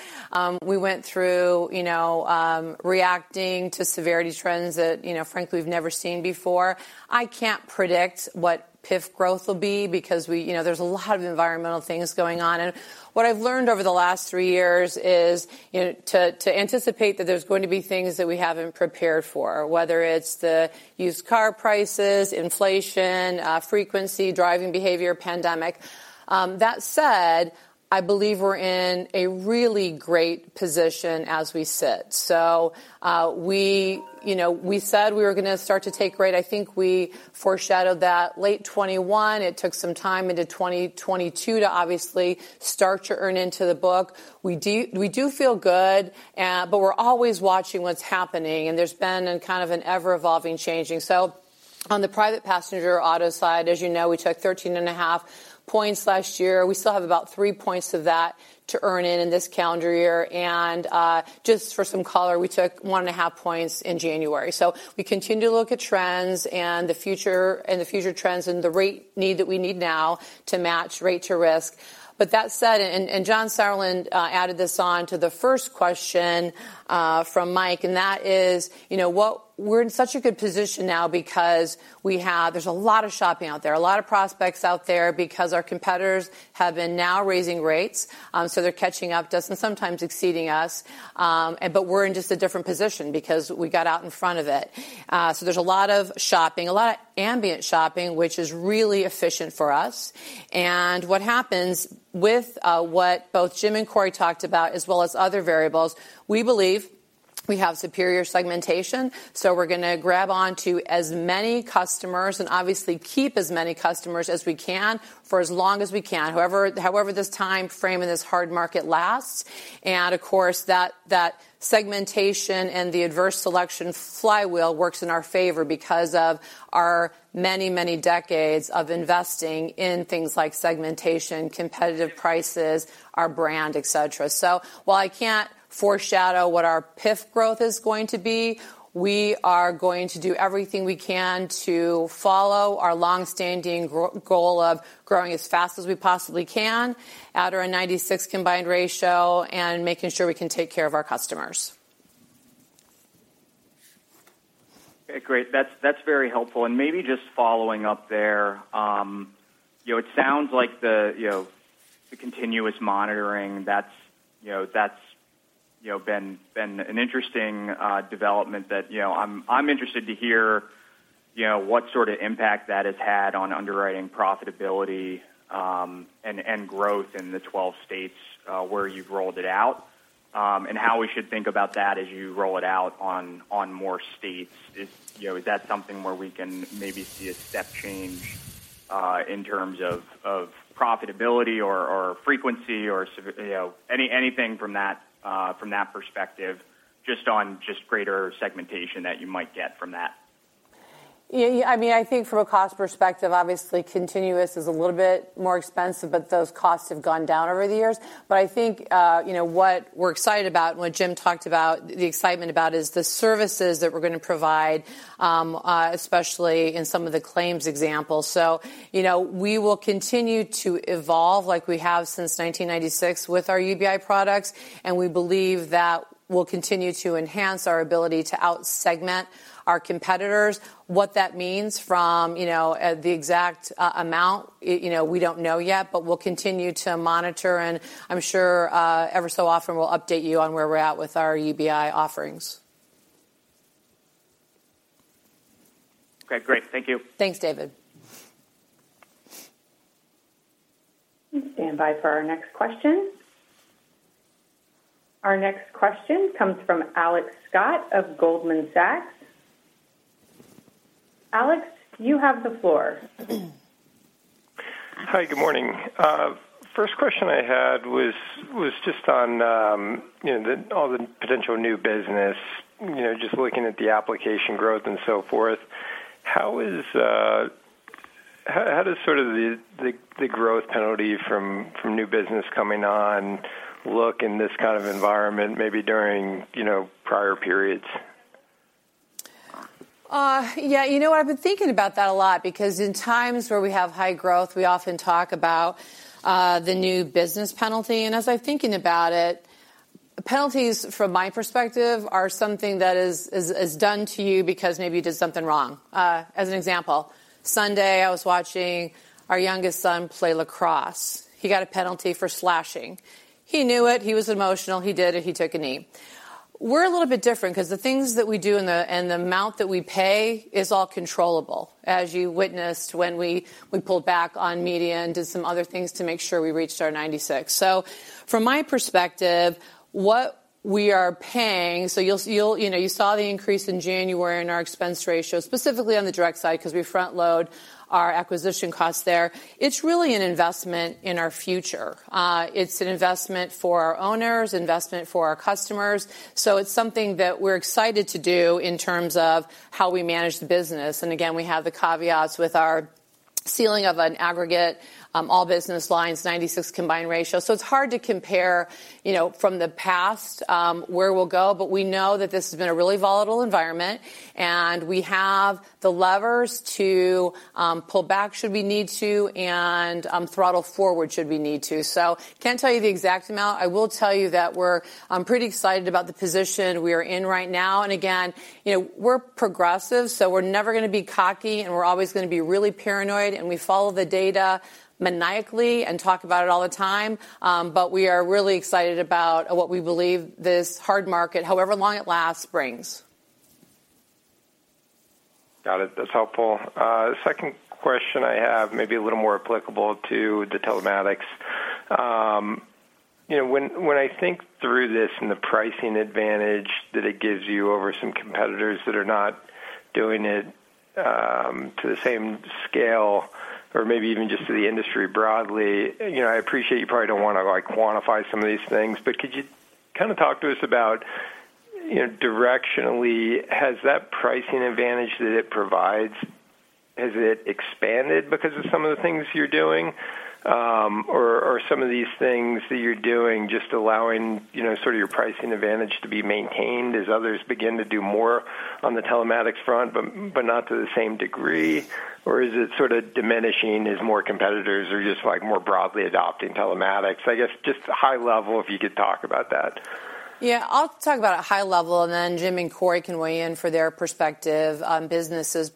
Speaker 2: We went through, you know, reacting to severity trends that, you know, frankly, we've never seen before. I can't predict what PIF growth will be because you know, there's a lot of environmental things going on. What I've learned over the last three years is, you know, to anticipate that there's going to be things that we haven't prepared for, whether it's the used car prices, inflation, frequency, driving behavior, pandemic. That said, I believe we're in a really great position as we sit. We, you know, we said we were going to start to take rate. I think we foreshadowed that late 2021. It took some time into 2022 to obviously start to earn into the book. We do feel good, but we're always watching what's happening, and there's been a kind of an ever-evolving changing. On the private passenger auto side, as you know, we took 13.5 points last year. We still have about three points of that to earn in this calendar year. Just for some color, we took 1.5 points in January. We continue to look at trends and the future, and the future trends and the rate need that we need now to match rate to risk. That said, John Sauerland added this on to the first question from Mike, and that is, you know, we're in such a good position now because there's a lot of shopping out there, a lot of prospects out there because our competitors have been now raising rates, so they're catching up to us and sometimes exceeding us. We're in just a different position because we got out in front of it. There's a lot of shopping, a lot of ambient shopping, which is really efficient for us. What happens with what both Jim Haas and Cory Fischer talked about, as well as other variables, we believe we have superior segmentation, we're gonna grab on to as many customers and obviously keep as many customers as we can for as long as we can. This time frame and this hard market lasts. Of course, that segmentation and the adverse selection flywheel works in our favor because of our many decades of investing in things like segmentation, competitive prices, our brand, et cetera. While I can't foreshadow what our PIF growth is going to be, we are going to do everything we can to follow our long-standing goal of growing as fast as we possibly can at our 96 combined ratio and making sure we can take care of our customers.
Speaker 8: Okay, great. That's very helpful. Maybe just following up there, you know, it sounds like the, you know, the continuous monitoring that's, you know, been an interesting development that, you know, I'm interested to hear, you know, what sort of impact that has had on underwriting profitability, and growth in the 12 states where you've rolled it out, and how we should think about that as you roll it out on more states. You know, is that something where we can maybe see a step change in terms of profitability or frequency or anything from that perspective, just on just greater segmentation that you might get from that?
Speaker 2: Yeah, I mean, I think from a cost perspective, obviously continuous is a little bit more expensive, but those costs have gone down over the years. I think, you know what we're excited about, and what Jim talked about, the excitement about, is the services that we're going to provide, especially in some of the claims examples. You know, we will continue to evolve like we have since 1996 with our UBI products, and we believe that we'll continue to enhance our ability to out-segment our competitors. What that means from, you know, the exact amount, you know, we don't know yet, but we'll continue to monitor, and I'm sure, every so often we'll update you on where we're at with our UBI offerings.
Speaker 8: Okay, great. Thank you.
Speaker 2: Thanks, David.
Speaker 5: Please stand by for our next question. Our next question comes from Alex Scott of Goldman Sachs. Alex, you have the floor.
Speaker 9: Hi, good morning. First question I had was just on, you know, all the potential new business, you know, just looking at the application growth and so forth. How does sort of the growth penalty from new business coming on look in this kind of environment maybe during, you know, prior periods?
Speaker 2: Yeah, you know, I've been thinking about that a lot because in times where we have high growth, we often talk about the new business penalty. As I'm thinking about it, penalties from my perspective are something that is done to you because maybe you did something wrong. As an example, Sunday, I was watching our youngest son play lacrosse. He got a penalty for slashing. He knew it. He was emotional. He did it. He took a knee. We're a little bit different because the things that we do and the amount that we pay is all controllable, as you witnessed when we pulled back on media and did some other things to make sure we reached our 96. From my perspective, what we are paying, you'll, you know, you saw the increase in January in our expense ratio, specifically on the direct side because we front load our acquisition costs there. It's really an investment in our future. It's an investment for our owners, investment for our customers. It's something that we're excited to do in terms of how we manage the business. Again, we have the caveats with our ceiling of an aggregate, all business lines, 96 combined ratio. It's hard to compare, you know, from the past, where we'll go. We know that this has been a really volatile environment, and we have the levers to pull back should we need to, and throttle forward should we need to. Can't tell you the exact amount. I will tell you that we're pretty excited about the position we are in right now. Again, you know, we're Progressive, so we're never gonna be cocky, and we're always gonna be really paranoid, and we follow the data maniacally and talk about it all the time. We are really excited about what we believe this hard market, however long it lasts, brings.
Speaker 9: Got it. That's helpful. Second question I have may be a little more applicable to the telematics. You know, when I think through this and the pricing advantage that it gives you over some competitors that are not doing it to the same scale or maybe even just to the industry broadly, you know, I appreciate you probably don't want to, like, quantify some of these things, but could you kind of talk to us about, you know, directionally, has that pricing advantage that it provides, has it expanded because of some of the things you're doing or some of these things that you're doing just allowing, you know, sort of your pricing advantage to be maintained as others begin to do more on the telematics front, but not to the same degree? Is it sort of diminishing as more competitors are just, like, more broadly adopting telematics? I guess just high level, if you could talk about that.
Speaker 2: Yeah, I'll talk about a high level, and then Jim and Cory can weigh in for their perspective on businesses.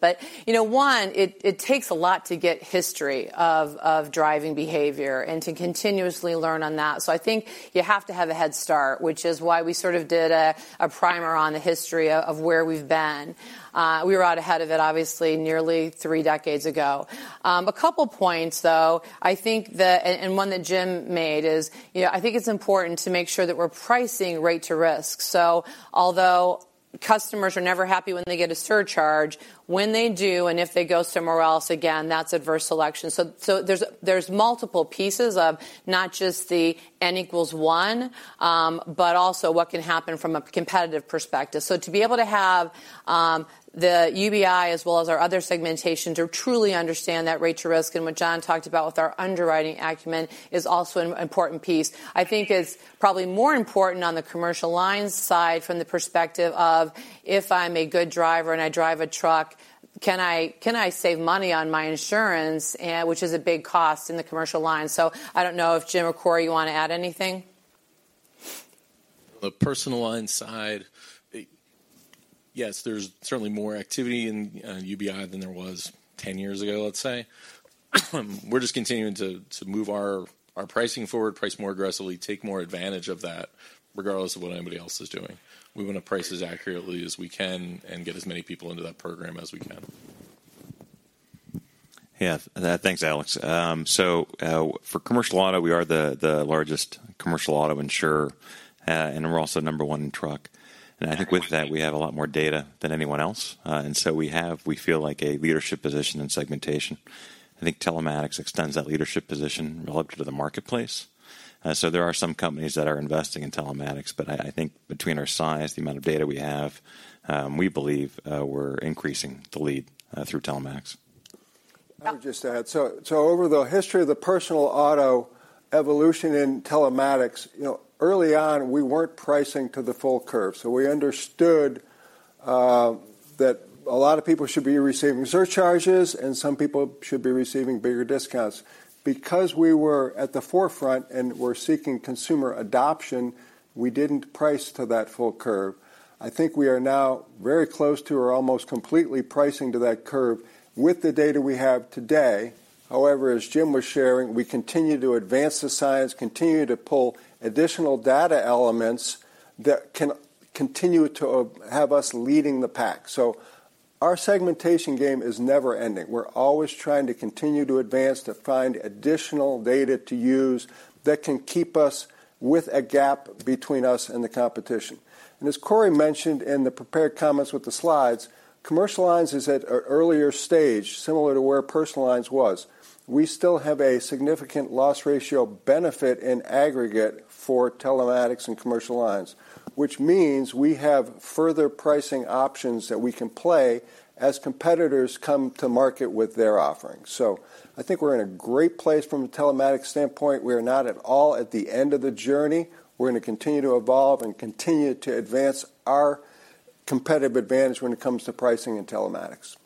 Speaker 2: You know, one, it takes a lot to get history of driving behavior and to continuously learn on that. I think you have to have a head start, which is why we sort of did a primer on the history of where we've been. We were out ahead of it, obviously nearly three decades ago. A couple points, though. I think and one that Jim made is, you know, I think it's important to make sure that we're pricing rate to risk. Although customers are never happy when they get a surcharge, when they do, and if they go somewhere else, again, that's adverse selection. There's multiple pieces of not just the N equals one, but also what can happen from a competitive perspective. To be able to have the UBI as well as our other segmentation to truly understand that rate to risk, and what John talked about with our underwriting acumen is also an important piece. I think it's probably more important on the commercial lines side from the perspective of, if I'm a good driver and I drive a truck, can I save money on my insurance? Which is a big cost in the commercial line. I don't know if Jim or Cory you want to add anything.
Speaker 4: The personal line side, yes, there's certainly more activity in UBI than there was 10 years ago, let's say. We're just continuing to move our pricing forward, price more aggressively, take more advantage of that regardless of what anybody else is doing. We want to price as accurately as we can and get as many people into that program as we can.
Speaker 3: Yeah. Thanks, Alex. For commercial auto, we are the largest commercial auto insurer, and we're also number one in truck. I think with that we have a lot more data than anyone else. We have, we feel like a leadership position in segmentation. I think telematics extends that leadership position relative to the marketplace. There are some companies that are investing in telematics, but I think between our size, the amount of data we have, we believe, we're increasing the lead, through telematics.
Speaker 7: I would just add, so over the history of the personal auto evolution in telematics, you know, early on, we weren't pricing to the full curve. We understood that a lot of people should be receiving surcharges and some people should be receiving bigger discounts. We were at the forefront and we're seeking consumer adoption, we didn't price to that full curve. I think we are now very close to or almost completely pricing to that curve with the data we have today. However, as Jim was sharing, we continue to advance the science, continue to pull additional data elements that can continue to have us leading the pack. Our segmentation game is never ending. We're always trying to continue to advance, to find additional data to use that can keep us with a gap between us and the competition. As Cory mentioned in the prepared comments with the slides, commercial lines is at a earlier stage similar to where personal lines was. We still have a significant loss ratio benefit in aggregate for telematics and commercial lines, which means we have further pricing options that we can play as competitors come to market with their offerings. I think we're in a great place from a telematics standpoint. We are not at all at the end of the journey. We're gonna continue to evolve and continue to advance our competitive advantage when it comes to pricing and telematics.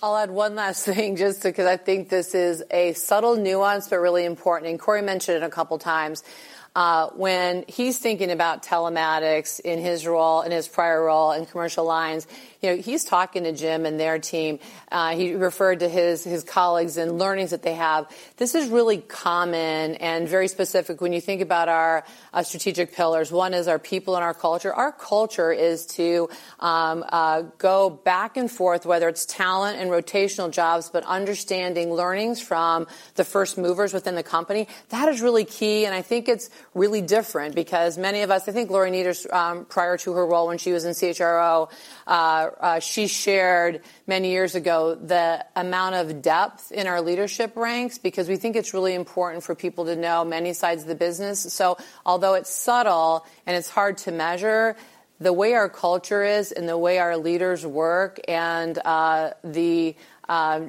Speaker 2: I'll add one last thing just because I think this is a subtle nuance but really important, and Cory mentioned it a couple times. When he's thinking about telematics in his role, in his prior role in commercial lines, you know, he's talking to Jim and their team. He referred to his colleagues and learnings that they have. This is really common and very specific when you think about our strategic pillars. One is our people and our culture. Our culture is to go back and forth, whether it's talent and rotational jobs, but understanding learnings from the first movers within the company. That is really key, and I think it's really different because many of us, I think Lori Niederst, prior to her role when she was in CHRO, she shared many years ago the amount of depth in our leadership ranks because we think it's really important for people to know many sides of the business. Although it's subtle and it's hard to measure, the way our culture is and the way our leaders work and the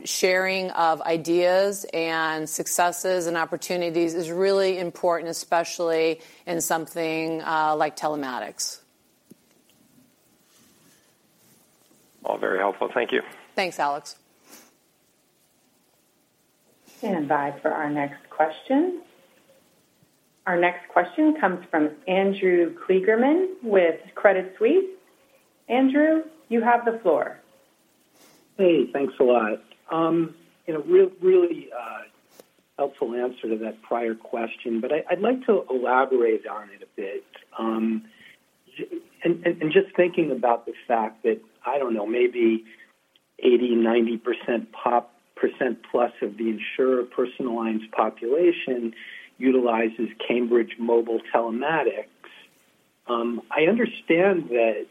Speaker 2: sharing of ideas and successes and opportunities is really important, especially in something like telematics.
Speaker 9: All very helpful. Thank you.
Speaker 2: Thanks, Alex.
Speaker 5: Stand by for our next question. Our next question comes from Andrew Kligerman with Credit Suisse. Andrew, you have the floor.
Speaker 10: Hey, thanks a lot. you know, really helpful answer to that prior question, but I'd like to elaborate on it a bit. and just thinking about the fact that, I don't know, maybe 80%, 90% plus of the insurer personal lines population utilizes Cambridge Mobile Telematics. I understand that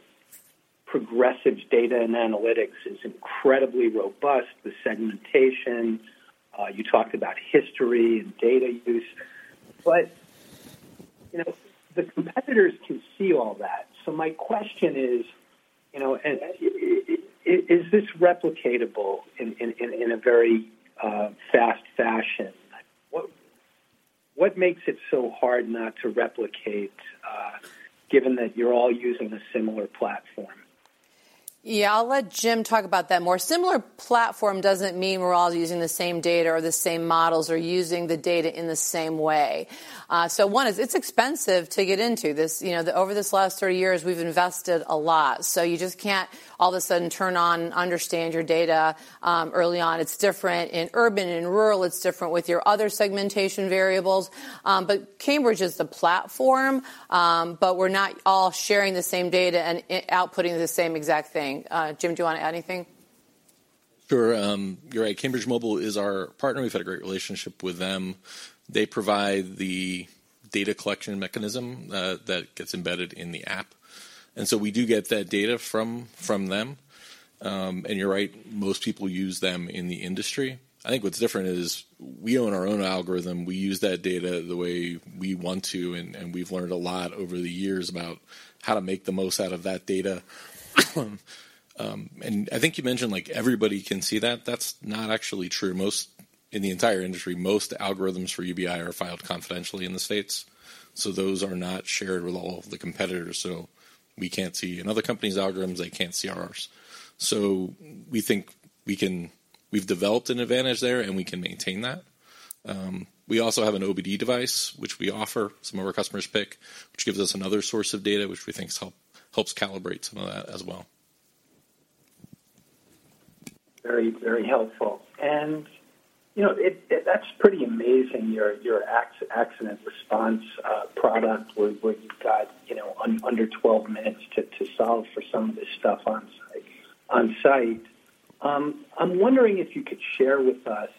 Speaker 10: Progressive's data and analytics is incredibly robust. The segmentation, you talked about history and data use. you know, the competitors can see all that. my question is, you know, is this replicatable in a very fast fashion? What makes it so hard not to replicate, given that you're all using a similar platform?
Speaker 2: Yeah, I'll let Jim talk about that more. Similar platform doesn't mean we're all using the same data or the same models or using the data in the same way. One is it's expensive to get into this. You know, over this last 30 years, we've invested a lot, so you just can't all of a sudden turn on, understand your data, early on. It's different in urban and rural, it's different with your other segmentation variables. But Cambridge is the platform, but we're not all sharing the same data and outputting the same exact thing. Jim, do you want to add anything?
Speaker 3: Sure. You're right. Cambridge Mobile is our partner. We've had a great relationship with them. They provide the data collection mechanism that gets embedded in the app. We do get that data from them. You're right, most people use them in the industry. I think what's different is we own our own algorithm. We use that data the way we want to, and we've learned a lot over the years about how to make the most out of that data. I think you mentioned, like, everybody can see that. That's not actually true. In the entire industry, most algorithms for UBI are filed confidentially in the States. Those are not shared with all of the competitors. We can't see another company's algorithms, they can't see ours. We think we've developed an advantage there, and we can maintain that. We also have an OBD device, which we offer. Some of our customers pick, which gives us another source of data, which we think helps calibrate some of that as well.
Speaker 10: Very, very helpful. You know, that's pretty amazing, your Accident Response product, where you've got, you know, under 12 minutes to solve for some of this stuff on site. I'm wondering if you could share with us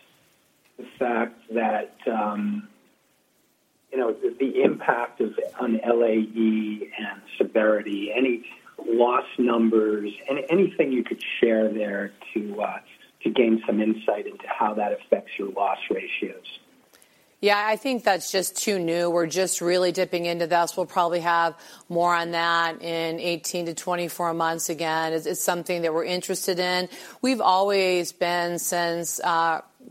Speaker 10: the fact that, you know, the impact of on LAE and severity, any loss numbers, anything you could share there to gain some insight into how that affects your loss ratios.
Speaker 2: Yeah, I think that's just too new. We're just really dipping into this. We'll probably have more on that in 18 to 24 months. Again, it's something that we're interested in. We've always been since,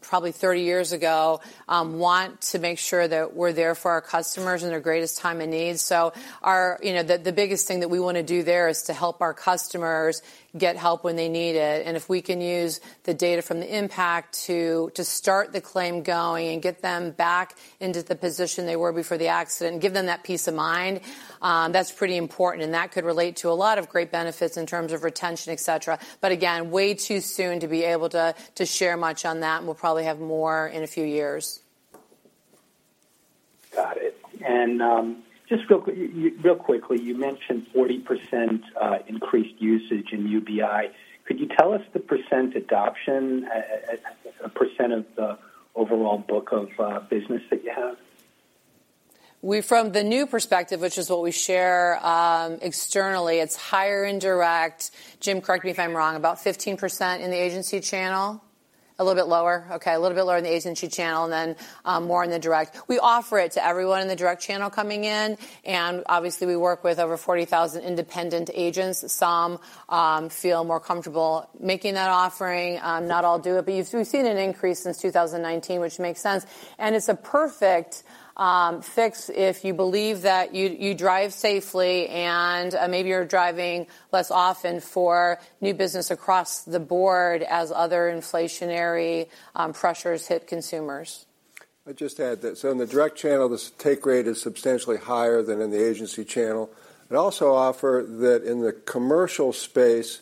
Speaker 2: probably 30 years ago, want to make sure that we're there for our customers in their greatest time of need. You know, the biggest thing that we wanna do there is to help our customers get help when they need it. If we can use the data from the impact to start the claim going and get them back into the position they were before the accident, give them that peace of mind, that's pretty important. That could relate to a lot of great benefits in terms of retention, et cetera. Again, way too soon to be able to share much on that, and we'll probably have more in a few years.
Speaker 10: Got it. Just Real quickly, you mentioned 40% increased usage in UBI. Could you tell us the percent adoption as a percent of the overall book of business that you have?
Speaker 2: From the new perspective, which is what we share, externally, it's higher in direct. Jim, correct me if I'm wrong, about 15% in the agency channel? A little bit lower. Okay, a little bit lower in the agency channel and then, more in the direct. We offer it to everyone in the direct channel coming in. Obviously we work with over 40,000 independent agents. Some feel more comfortable making that offering, not all do it. We've seen an increase since 2019, which makes sense. It's a perfect fix if you believe that you drive safely and maybe you're driving less often for new business across the board as other inflationary pressures hit consumers.
Speaker 7: I'd just add that. In the direct channel, the take rate is substantially higher than in the agency channel. I'd also offer that in the commercial space,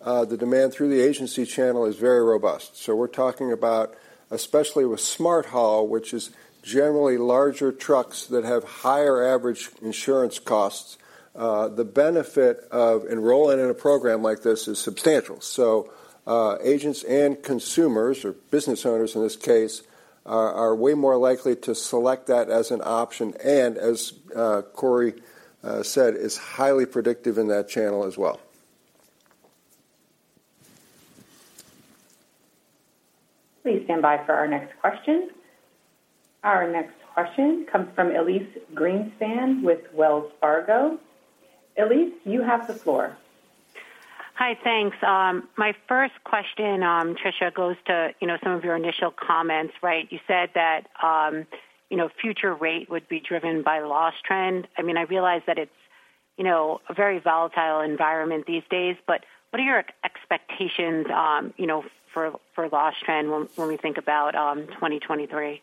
Speaker 7: the demand through the agency channel is very robust. We're talking about, especially with Smart Haul, which is generally larger trucks that have higher average insurance costs, the benefit of enrolling in a program like this is substantial. Agents and consumers or business owners in this case, are way more likely to select that as an option. As Cory said, is highly predictive in that channel as well.
Speaker 5: Please stand by for our next question. Our next question comes from Elyse Greenspan with Wells Fargo. Elyse, you have the floor.
Speaker 11: Hi, thanks. My first question, Tricia, goes to, you know, some of your initial comments, right? You said that, you know, future rate would be driven by loss trend. I mean, I realize that it's, you know, a very volatile environment these days. What are your expectations, you know, for loss trend when we think about, 2023?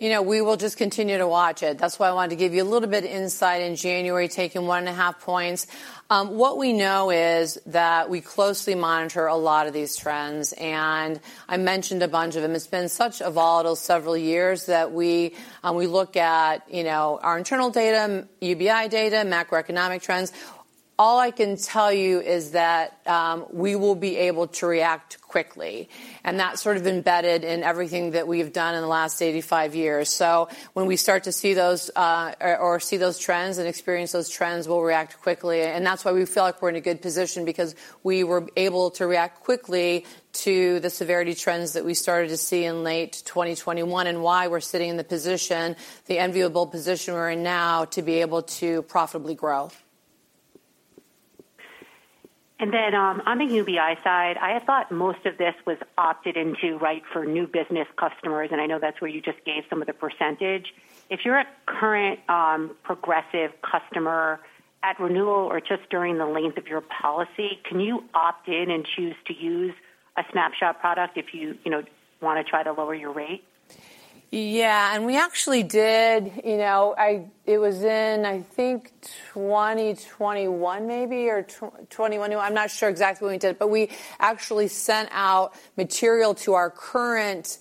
Speaker 2: You know, we will just continue to watch it. That's why I wanted to give you a little bit insight in January, taking 1.5 points. What we know is that we closely monitor a lot of these trends, and I mentioned a bunch of them. It's been such a volatile several years that we look at, you know, our internal data, UBI data, macroeconomic trends. All I can tell you is that we will be able to react quickly. That's sort of embedded in everything that we've done in the last 85 years. When we start to see those, or see those trends and experience those trends, we'll react quickly. That's why we feel like we're in a good position because we were able to react quickly to the severity trends that we started to see in late 2021 and why we're sitting in the position, the enviable position we're in now to be able to profitably grow.
Speaker 11: Then, on the UBI side, I had thought most of this was opted into, right, for new business customers, and I know that's where you just gave some of the percentage. If you're a current Progressive customer at renewal or just during the length of your policy, can you opt in and choose to use a Snapshot product if you know, want to try to lower your rate?
Speaker 2: Yeah. We actually did, you know, It was in, I think, 2021 maybe or 2021. I'm not sure exactly when we did it, but we actually sent out material to our current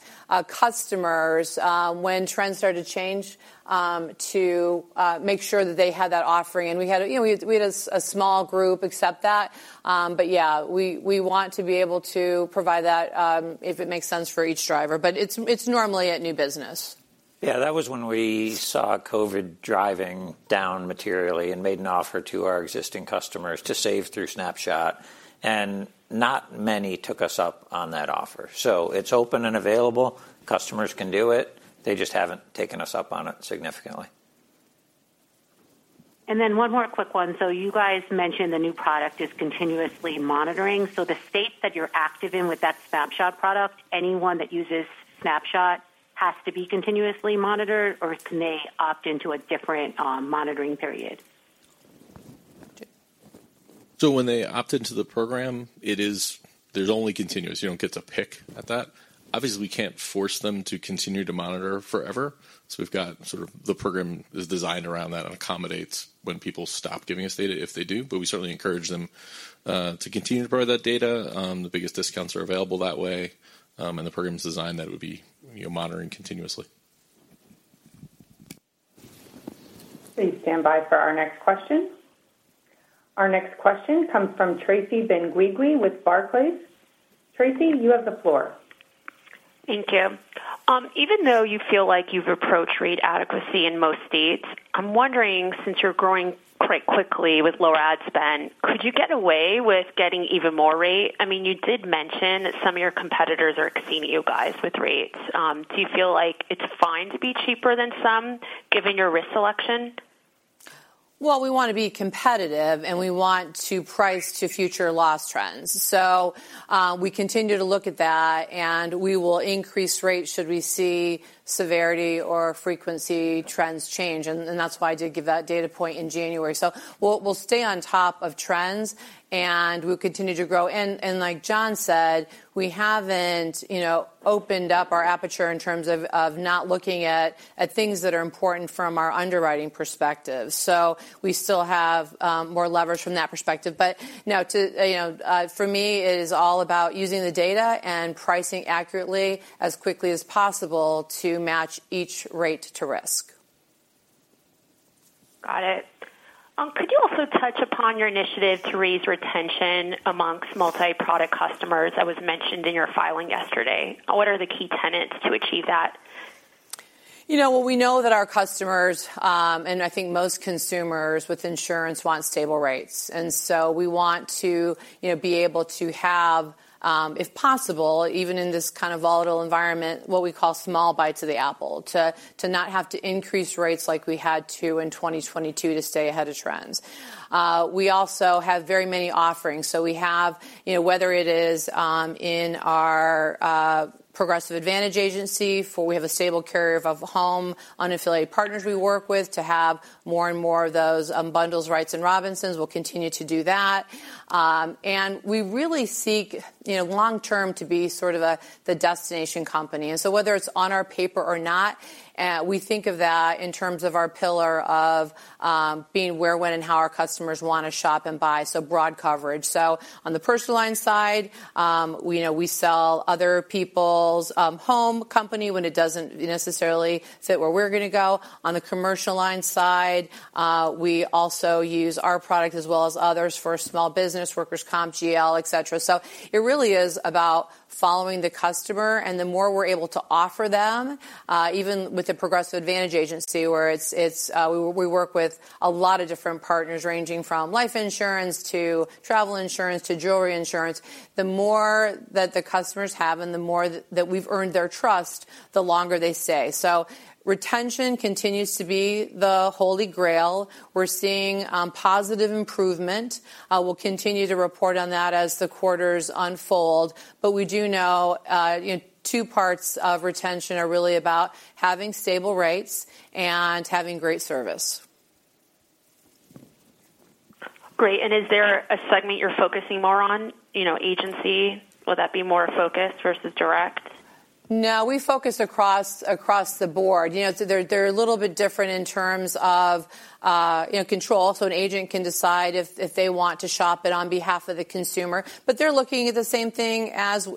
Speaker 2: customers when trends started to change to make sure that they had that offering. We had, you know, we had a small group accept that. Yeah, we want to be able to provide that if it makes sense for each driver. It's, it's normally a new business.
Speaker 12: Yeah. That was when we saw COVID driving down materially and made an offer to our existing customers to save through Snapshot, and not many took us up on that offer. It's open and available. Customers can do it. They just haven't taken us up on it significantly.
Speaker 11: One more quick one. You guys mentioned the new product is continuously monitoring. The states that you're active in with that Snapshot product, anyone that uses Snapshot has to be continuously monitored, or can they opt into a different monitoring period?
Speaker 3: When they opt into the program, it is, there's only continuous. You don't get to pick at that. Obviously, we can't force them to continue to monitor forever, so we've got sort of the program is designed around that and accommodates when people stop giving us data if they do. We certainly encourage them to continue to provide that data. The biggest discounts are available that way, and the program is designed that it would be, you know, monitoring continuously.
Speaker 5: Please stand by for our next question. Our next question comes from Tracy Benguigui with Barclays. Tracy, you have the floor.
Speaker 13: Thank you. Even though you feel like you've approached rate adequacy in most states, I'm wondering, since you're growing quite quickly with lower ad spend, could you get away with getting even more rate? I mean, you did mention some of your competitors are exceeding you guys with rates. Do you feel like it's fine to be cheaper than some given your risk selection?
Speaker 2: We want to be competitive, and we want to price to future loss trends. We continue to look at that, and we will increase rates should we see severity or frequency trends change. That's why I did give that data point in January. We'll stay on top of trends, and we'll continue to grow. Like John said, we haven't, you know, opened up our aperture in terms of not looking at things that are important from our underwriting perspective. We still have more leverage from that perspective. No, you know, for me, it is all about using the data and pricing accurately as quickly as possible to match each rate to risk.
Speaker 13: Got it. Could you also touch upon your initiative to raise retention amongst multi-product customers that was mentioned in your filing yesterday? What are the key tenets to achieve that?
Speaker 2: You know, well, we know that our customers, and I think most consumers with insurance want stable rates. We want to, you know, be able to have, if possible, even in this kind of volatile environment, what we call small bites of the apple to not have to increase rates like we had to in 2022 to stay ahead of trends. We also have very many offerings. We have, you know, whether it is in our Progressive Advantage Agency, for we have a stable carrier of home unaffiliated partners we work with to have more and more of those bundles Wrights and Robinsons. We'll continue to do that. We really seek, you know, long term to be sort of the destination company. Whether it's on our paper or not, we think of that in terms of our pillar of being where, when, and how our customers want to shop and buy, so broad coverage. On the personal line side, you know, we sell other people's home company when it doesn't necessarily fit where we're gonna go. On the commercial line side, we also use our product as well as others for small business workers' comp, GL, et cetera. It really is about following the customer, and the more we're able to offer them, even with the Progressive Advantage Agency, where it's, we work with a lot of different partners, ranging from life insurance to travel insurance to jewelry insurance. The more that the customers have and the more that we've earned their trust, the longer they stay. Retention continues to be the Holy Grail. We're seeing positive improvement. We'll continue to report on that as the quarters unfold. We do know, you know, two parts of retention are really about having stable rates and having great service.
Speaker 13: Great. Is there a segment you're focusing more on? You know, agency, would that be more a focus versus direct?
Speaker 2: We focus across the board. You know, they're a little bit different in terms of, you know, control, so an agent can decide if they want to shop it on behalf of the consumer. They're looking at the same thing as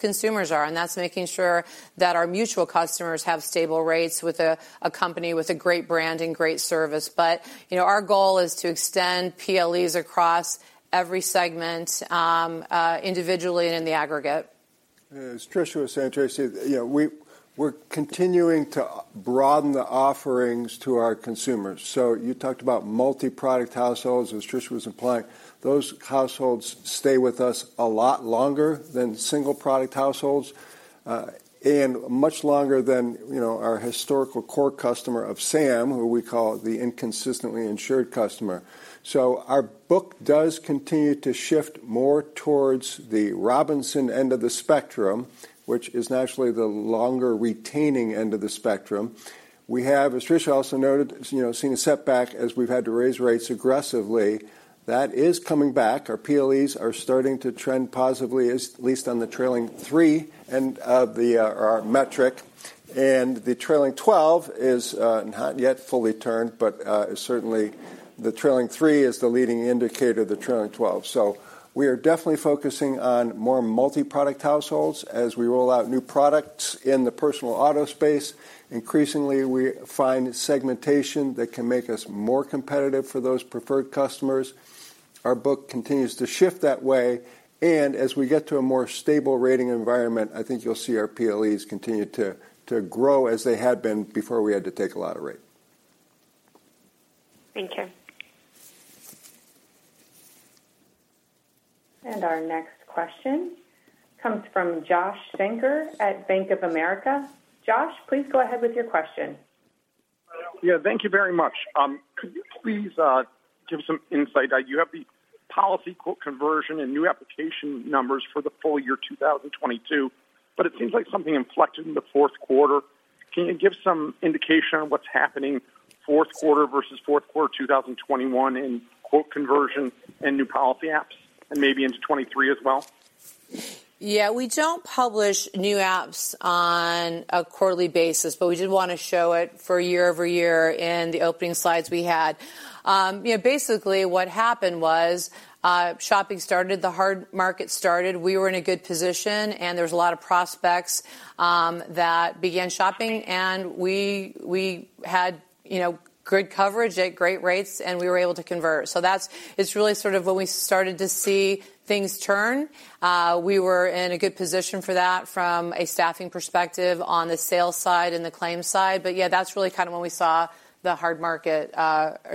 Speaker 2: consumers are, and that's making sure that our mutual customers have stable rates with a company with a great brand and great service. You know, our goal is to extend PLEs across every segment individually and in the aggregate.
Speaker 7: As Tricia was saying, Tracy, you know, we're continuing to broaden the offerings to our consumers. You talked about multi-product households, as Tricia was implying. Those households stay with us a lot longer than single product households, and much longer than, you know, our historical core customer of Sams, who we call the inconsistently insured customer. Our book does continue to shift more towards the Robinsons end of the spectrum, which is naturally the longer retaining end of the spectrum. We have, as Tricia also noted, you know, seen a setback as we've had to raise rates aggressively. That is coming back. Our PLEs are starting to trend positively, at least on the trailing three and the, our metric. The trailing 12 is not yet fully turned, but certainly the trailing three is the leading indicator of the trailing 12. We are definitely focusing on more multiproduct households as we roll out new products in the personal auto space. Increasingly, we find segmentation that can make us more competitive for those preferred customers. Our book continues to shift that way, and as we get to a more stable rating environment, I think you'll see our PLEs continue to grow as they had been before we had to take a lot of rate.
Speaker 5: Thank you. Our next question comes from Josh Shanker at Bank of America. Josh, please go ahead with your question.
Speaker 14: Yeah, thank you very much. Could you please give some insight? You have the policy quote conversion and new application numbers for the full year 2022. It seems like something inflected in the fourth quarter. Can you give some indication on what's happening fourth quarter versus fourth quarter 2021 in quote conversion and new policy apps, and maybe into 2023 as well?
Speaker 2: We don't publish new apps on a quarterly basis, but we did want to show it for YoY in the opening slides we had. you know, basically what happened was, shopping started, the hard market started. We were in a good position, and there was a lot of prospects that began shopping. We, we had, you know, good coverage at great rates, and we were able to convert. It's really sort of when we started to see things turn, we were in a good position for that from a staffing perspective on the sales side and the claims side. Yeah, that's really kind of when we saw the hard market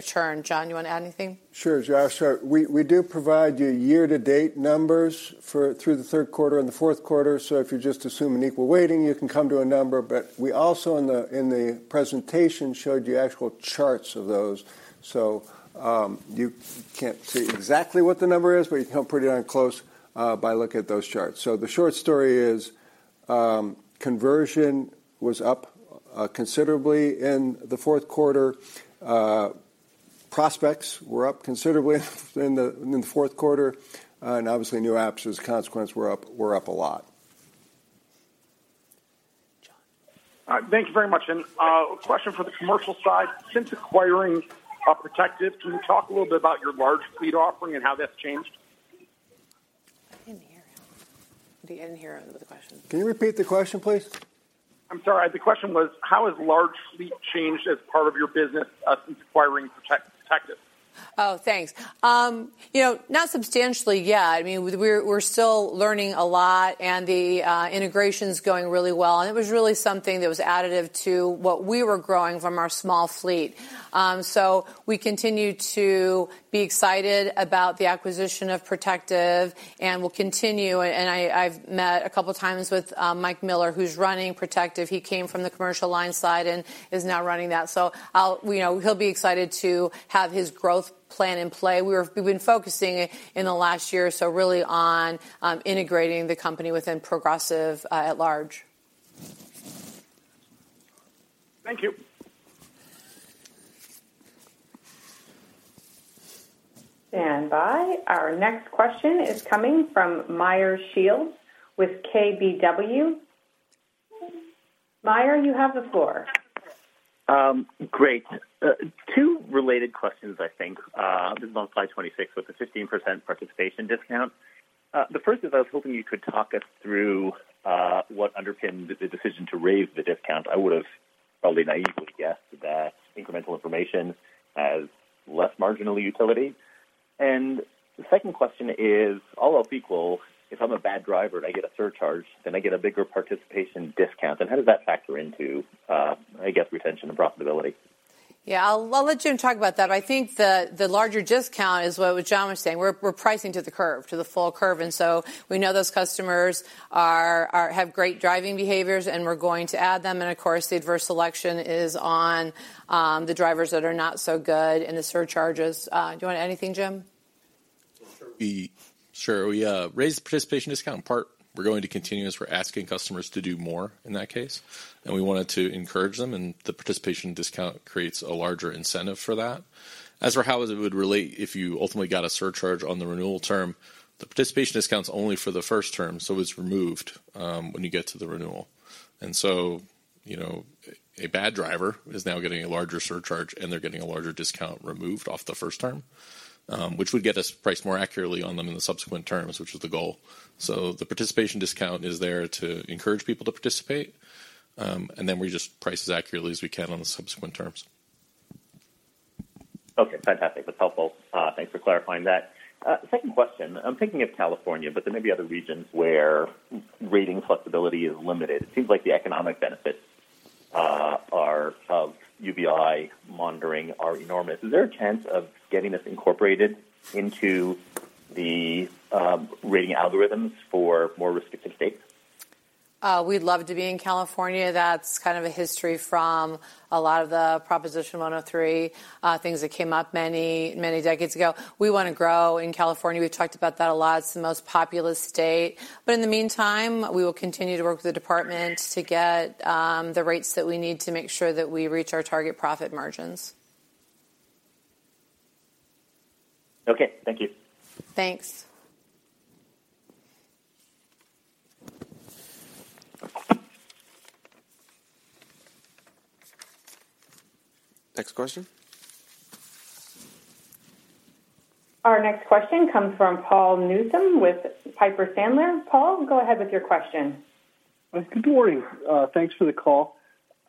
Speaker 2: turn. John, you want to add anything?
Speaker 7: Sure, Josh. We do provide you year-to-date numbers for through the third quarter and the fourth quarter. If you just assume an equal weighting, you can come to a number. We also in the, in the presentation, showed you actual charts of those. You can't see exactly what the number is, but you come pretty darn close by looking at those charts. The short story is, conversion was up considerably in the fourth quarter. Prospects were up considerably in the, in the fourth quarter, and obviously new apps as a consequence were up a lot.
Speaker 2: John.
Speaker 14: All right. Thank you very much. A question for the commercial side. Since acquiring Protective, can you talk a little bit about your large fleet offering and how that's changed?
Speaker 2: I didn't hear him. I didn't hear the question.
Speaker 7: Can you repeat the question, please?
Speaker 14: I'm sorry. The question was, how has large fleet changed as part of your business since acquiring Protective?
Speaker 2: Oh, thanks. You know, not substantially, yeah. I mean, we're still learning a lot and the integration is going really well, and it was really something that was additive to what we were growing from our small fleet. We continue to be excited about the acquisition of Protective and will continue. I've met a couple of times with Mike Miller, who's running Protective. He came from the commercial line side and is now running that. You know, he'll be excited to have his growth plan in play. We've been focusing in the last year, so really on integrating the company within Progressive at large.
Speaker 14: Thank you.
Speaker 5: Standby. Our next question is coming from Meyer Shields with KBW. Meyer, you have the floor.
Speaker 15: Great. Two related questions, this is on slide 26 with the 15% participation discount. The first is I was hoping you could talk us through what underpinned the decision to raise the discount. I would have probably naively guessed that incremental information has less marginal utility. The second question is, all else equal, if I'm a bad driver and I get a surcharge, then I get a bigger participation discount, then how does that factor into retention and profitability?
Speaker 2: Yeah. I'll let Jim talk about that. I think the larger discount is what John was saying. We're pricing to the curve, to the full curve, and so we know those customers are have great driving behaviors, and we're going to add them. Of course, the adverse selection is on the drivers that are not so good and the surcharges. Do you want anything, Jim?
Speaker 3: Sure. We raised the participation discount in part. We're going to continue as we're asking customers to do more in that case, and we wanted to encourage them, and the participation discount creates a larger incentive for that. As for how it would relate if you ultimately got a surcharge on the renewal term, the participation discount's only for the first term, so it's removed when you get to the renewal. You know, a bad driver is now getting a larger surcharge, and they're getting a larger discount removed off the first term, which would get us priced more accurately on them in the subsequent terms, which is the goal. The participation discount is there to encourage people to participate, and then we just price as accurately as we can on the subsequent terms.
Speaker 15: Okay, fantastic. That's helpful. Thanks for clarifying that. Second question. I'm thinking of California, but there may be other regions where rating flexibility is limited. It seems like the economic benefits are of UBI monitoring are enormous. Is there a chance of getting this incorporated into the rating algorithms for more restrictive states?
Speaker 2: we'd love to be in California. That's kind of a history from a lot of the Proposition 103, things that came up many, many decades ago. We want to grow in California. We've talked about that a lot. It's the most populous state. In the meantime, we will continue to work with the department to get the rates that we need to make sure that we reach our target profit margins.
Speaker 15: Okay. Thank you.
Speaker 2: Thanks.
Speaker 3: Next question.
Speaker 5: Our next question comes from Paul Newsome with Piper Sandler. Paul, go ahead with your question.
Speaker 16: Good morning. Thanks for the call.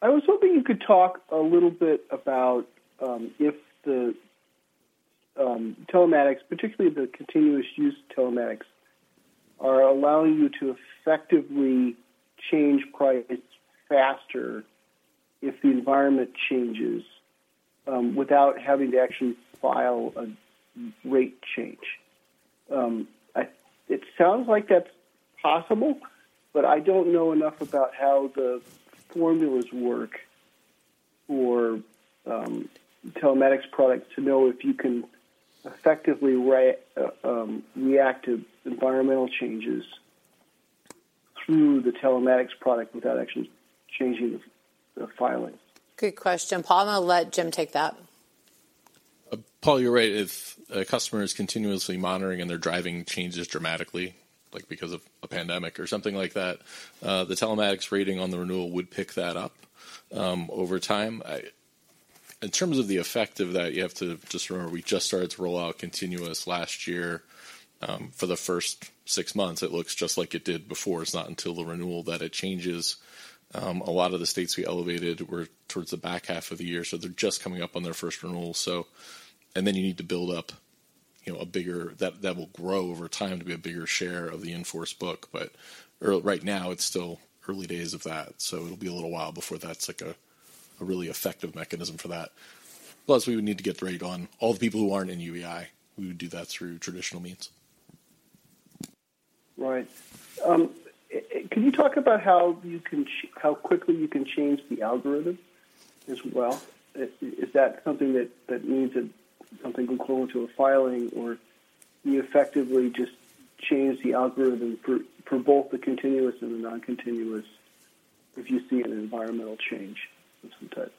Speaker 16: I was hoping you could talk a little bit about if the telematics, particularly the continuous use telematics, are allowing you to effectively change prices faster if the environment changes without having to actually file a rate change. It sounds like that's possible, but I don't know enough about how the formulas work for telematics products to know if you can effectively react to environmental changes through the telematics product without actually changing the filings.
Speaker 2: Good question, Paul. I'm gonna let Jim take that.
Speaker 3: Paul, you're right. If a customer is continuously monitoring and their driving changes dramatically, like because of a pandemic or something like that, the telematics rating on the renewal would pick that up over time. In terms of the effect of that, you have to just remember, we just started to roll out continuous last year. For the first six months, it looks just like it did before. It's not until the renewal that it changes. A lot of the states we elevated were towards the back half of the year, so they're just coming up on their first renewal. Then you need to build up, you know, that will grow over time to be a bigger share of the in-force book. Right now it's still early days of that, so it'll be a little while before that's, like, a really effective mechanism for that. We would need to get the rate on all the people who aren't in UBI. We would do that through traditional means.
Speaker 16: Right. Can you talk about how you can how quickly you can change the algorithm as well? Is that something that needs a... something equivalent to a filing, or do you effectively just change the algorithm for both the continuous and the non-continuous if you see an environmental change of some type?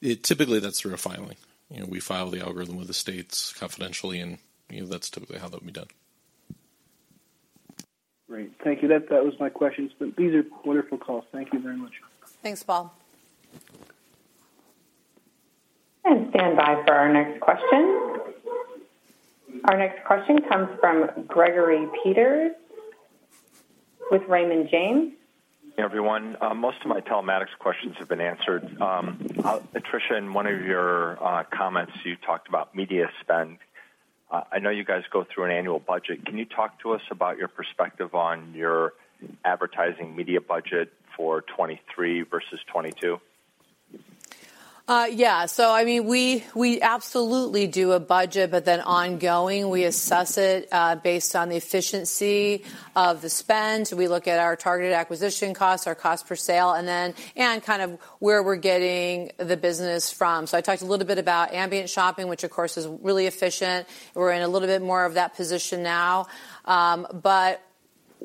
Speaker 3: Yeah, typically that's through a filing. You know, we file the algorithm with the states confidentially, and, you know, that's typically how that would be done.
Speaker 16: Great. Thank you. That was my questions. These are wonderful calls. Thank you very much.
Speaker 2: Thanks, Paul.
Speaker 5: Stand by for our next question. Our next question comes from Gregory Peters with Raymond James.
Speaker 17: Everyone, most of my telematics questions have been answered. Tricia, in one of your comments, you talked about media spend. I know you guys go through an annual budget. Can you talk to us about your perspective on your advertising media budget for 2023 versus 2022?
Speaker 2: Yeah. I mean, we absolutely do a budget, ongoing, we assess it, based on the efficiency of the spend. We look at our targeted acquisition costs, our cost per sale, and kind of where we're getting the business from. I talked a little bit about ambient shopping, which of course is really efficient. We're in a little bit more of that position now.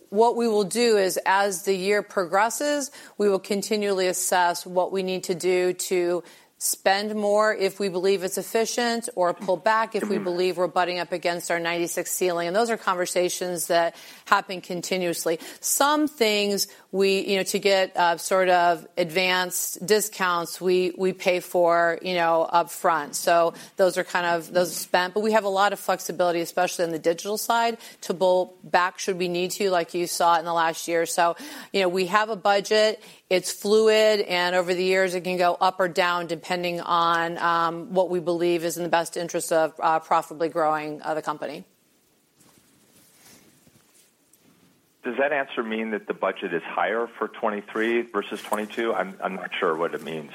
Speaker 2: What we will do is as the year progresses, we will continually assess what we need to do to spend more if we believe it's efficient or pull back if we believe we're butting up against our 96 ceiling. Those are conversations that happen continuously. You know, to get, sort of advanced discounts we pay for, you know, upfront. Those are spent. We have a lot of flexibility, especially on the digital side, to pull back should we need to, like you saw in the last year or so. You know, we have a budget, it's fluid, and over the years it can go up or down depending on what we believe is in the best interest of profitably growing the company.
Speaker 17: Does that answer mean that the budget is higher for 2023 versus 2022? I'm not sure what it means.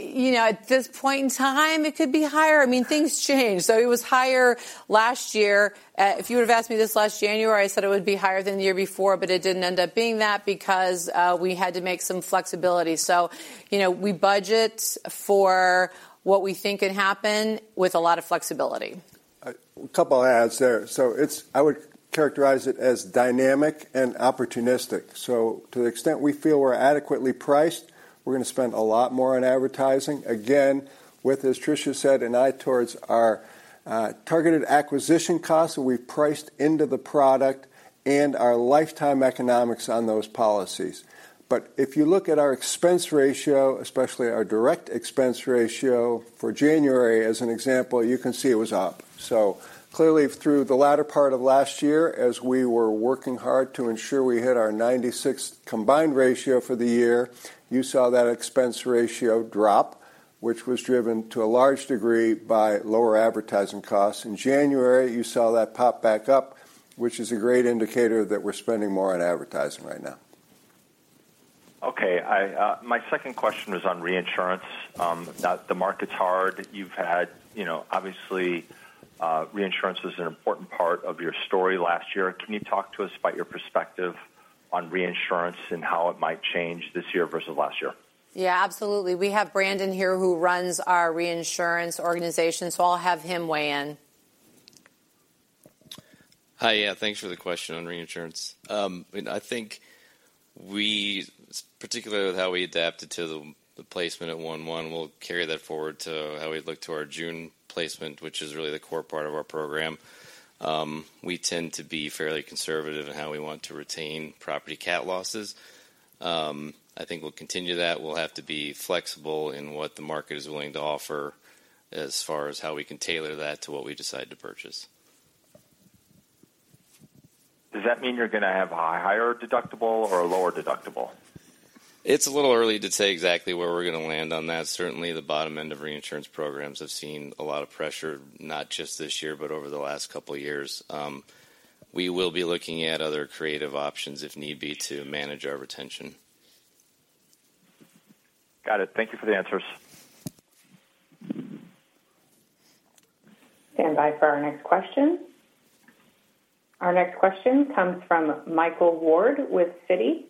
Speaker 2: You know, at this point in time, it could be higher. I mean, things change. It was higher last year. If you would've asked me this last January, I said it would be higher than the year before, but it didn't end up being that because we had to make some flexibility. You know, we budget for what we think can happen with a lot of flexibility.
Speaker 7: A couple adds there. I would characterize it as dynamic and opportunistic. To the extent we feel we're adequately priced, we're gonna spend a lot more on advertising. Again, with, as Tricia said, an eye towards our targeted acquisition costs that we've priced into the product and our lifetime economics on those policies. If you look at our expense ratio, especially our direct expense ratio for January as an example, you can see it was up. Clearly through the latter part of last year, as we were working hard to ensure we hit our 96 combined ratio for the year, you saw that expense ratio drop, which was driven to a large degree by lower advertising costs. In January, you saw that pop back up, which is a great indicator that we're spending more on advertising right now.
Speaker 17: Okay. I, my second question was on reinsurance. That the market's hard. You know, obviously, reinsurance was an important part of your story last year. Can you talk to us about your perspective on reinsurance and how it might change this year versus last year?
Speaker 2: Yeah, absolutely. We have Brandon here who runs our reinsurance organization, so I'll have him weigh in.
Speaker 18: Hi. Yeah, thanks for the question on reinsurance. I think we, particularly with how we adapted to the placement at 1/1, we'll carry that forward to how we look to our June placement, which is really the core part of our program. We tend to be fairly conservative in how we want to retain property cat losses. I think we'll continue that. We'll have to be flexible in what the market is willing to offer as far as how we can tailor that to what we decide to purchase.
Speaker 17: Does that mean you're gonna have a higher deductible or a lower deductible?
Speaker 18: It's a little early to say exactly where we're going to land on that. Certainly the bottom end of reinsurance programs have seen a lot of pressure, not just this year, but over the last couple of years. We will be looking at other creative options if need be, to manage our retention.
Speaker 17: Got it. Thank you for the answers.
Speaker 5: Standby for our next question. Our next question comes from Michael Ward with Citi.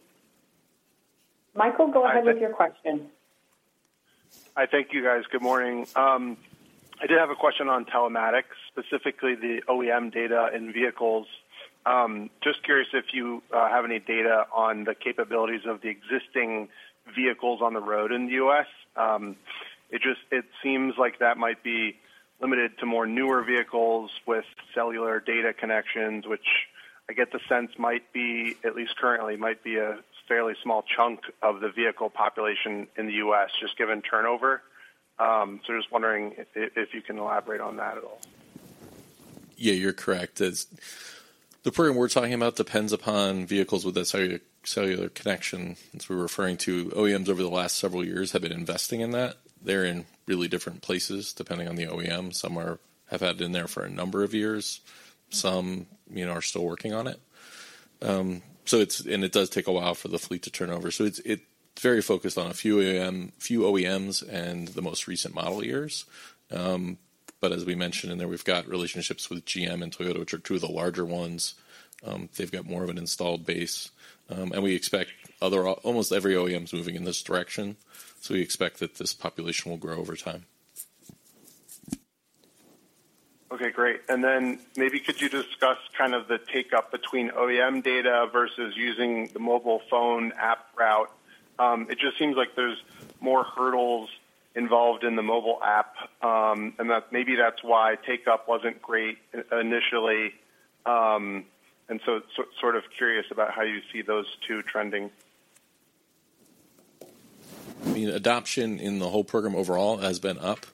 Speaker 5: Michael, go ahead with your question.
Speaker 19: Hi. Thank you, guys. Good morning. I did have a question on telematics, specifically the OEM data in vehicles. Just curious if you have any data on the capabilities of the existing vehicles on the road in the U.S. It just, it seems like that might be limited to more newer vehicles with cellular data connections, which I get the sense might be, at least currently, might be a fairly small chunk of the vehicle population in the U.S. just given turnover. Just wondering if you can elaborate on that at all.
Speaker 3: Yeah, you're correct. The program we're talking about depends upon vehicles with a cellular connection, as we're referring to. OEMs over the last several years have been investing in that. They're in really different places depending on the OEM. Some have been there for a number of years. Some, you know, are still working on it. It does take a while for the fleet to turn over. It's very focused on a few OEMs and the most recent model years. As we mentioned in there, we've got relationships with GM and Toyota, which are two of the larger ones. They've got more of an installed base. We expect almost every OEM is moving in this direction. We expect that this population will grow over time.
Speaker 19: Okay, great. Maybe could you discuss kind of the take up between OEM data versus using the mobile phone app route? It just seems like there's more hurdles involved in the mobile app, and that maybe that's why take up wasn't great initially. Sort of curious about how you see those two trending.
Speaker 3: I mean, adoption in the whole program overall has been up.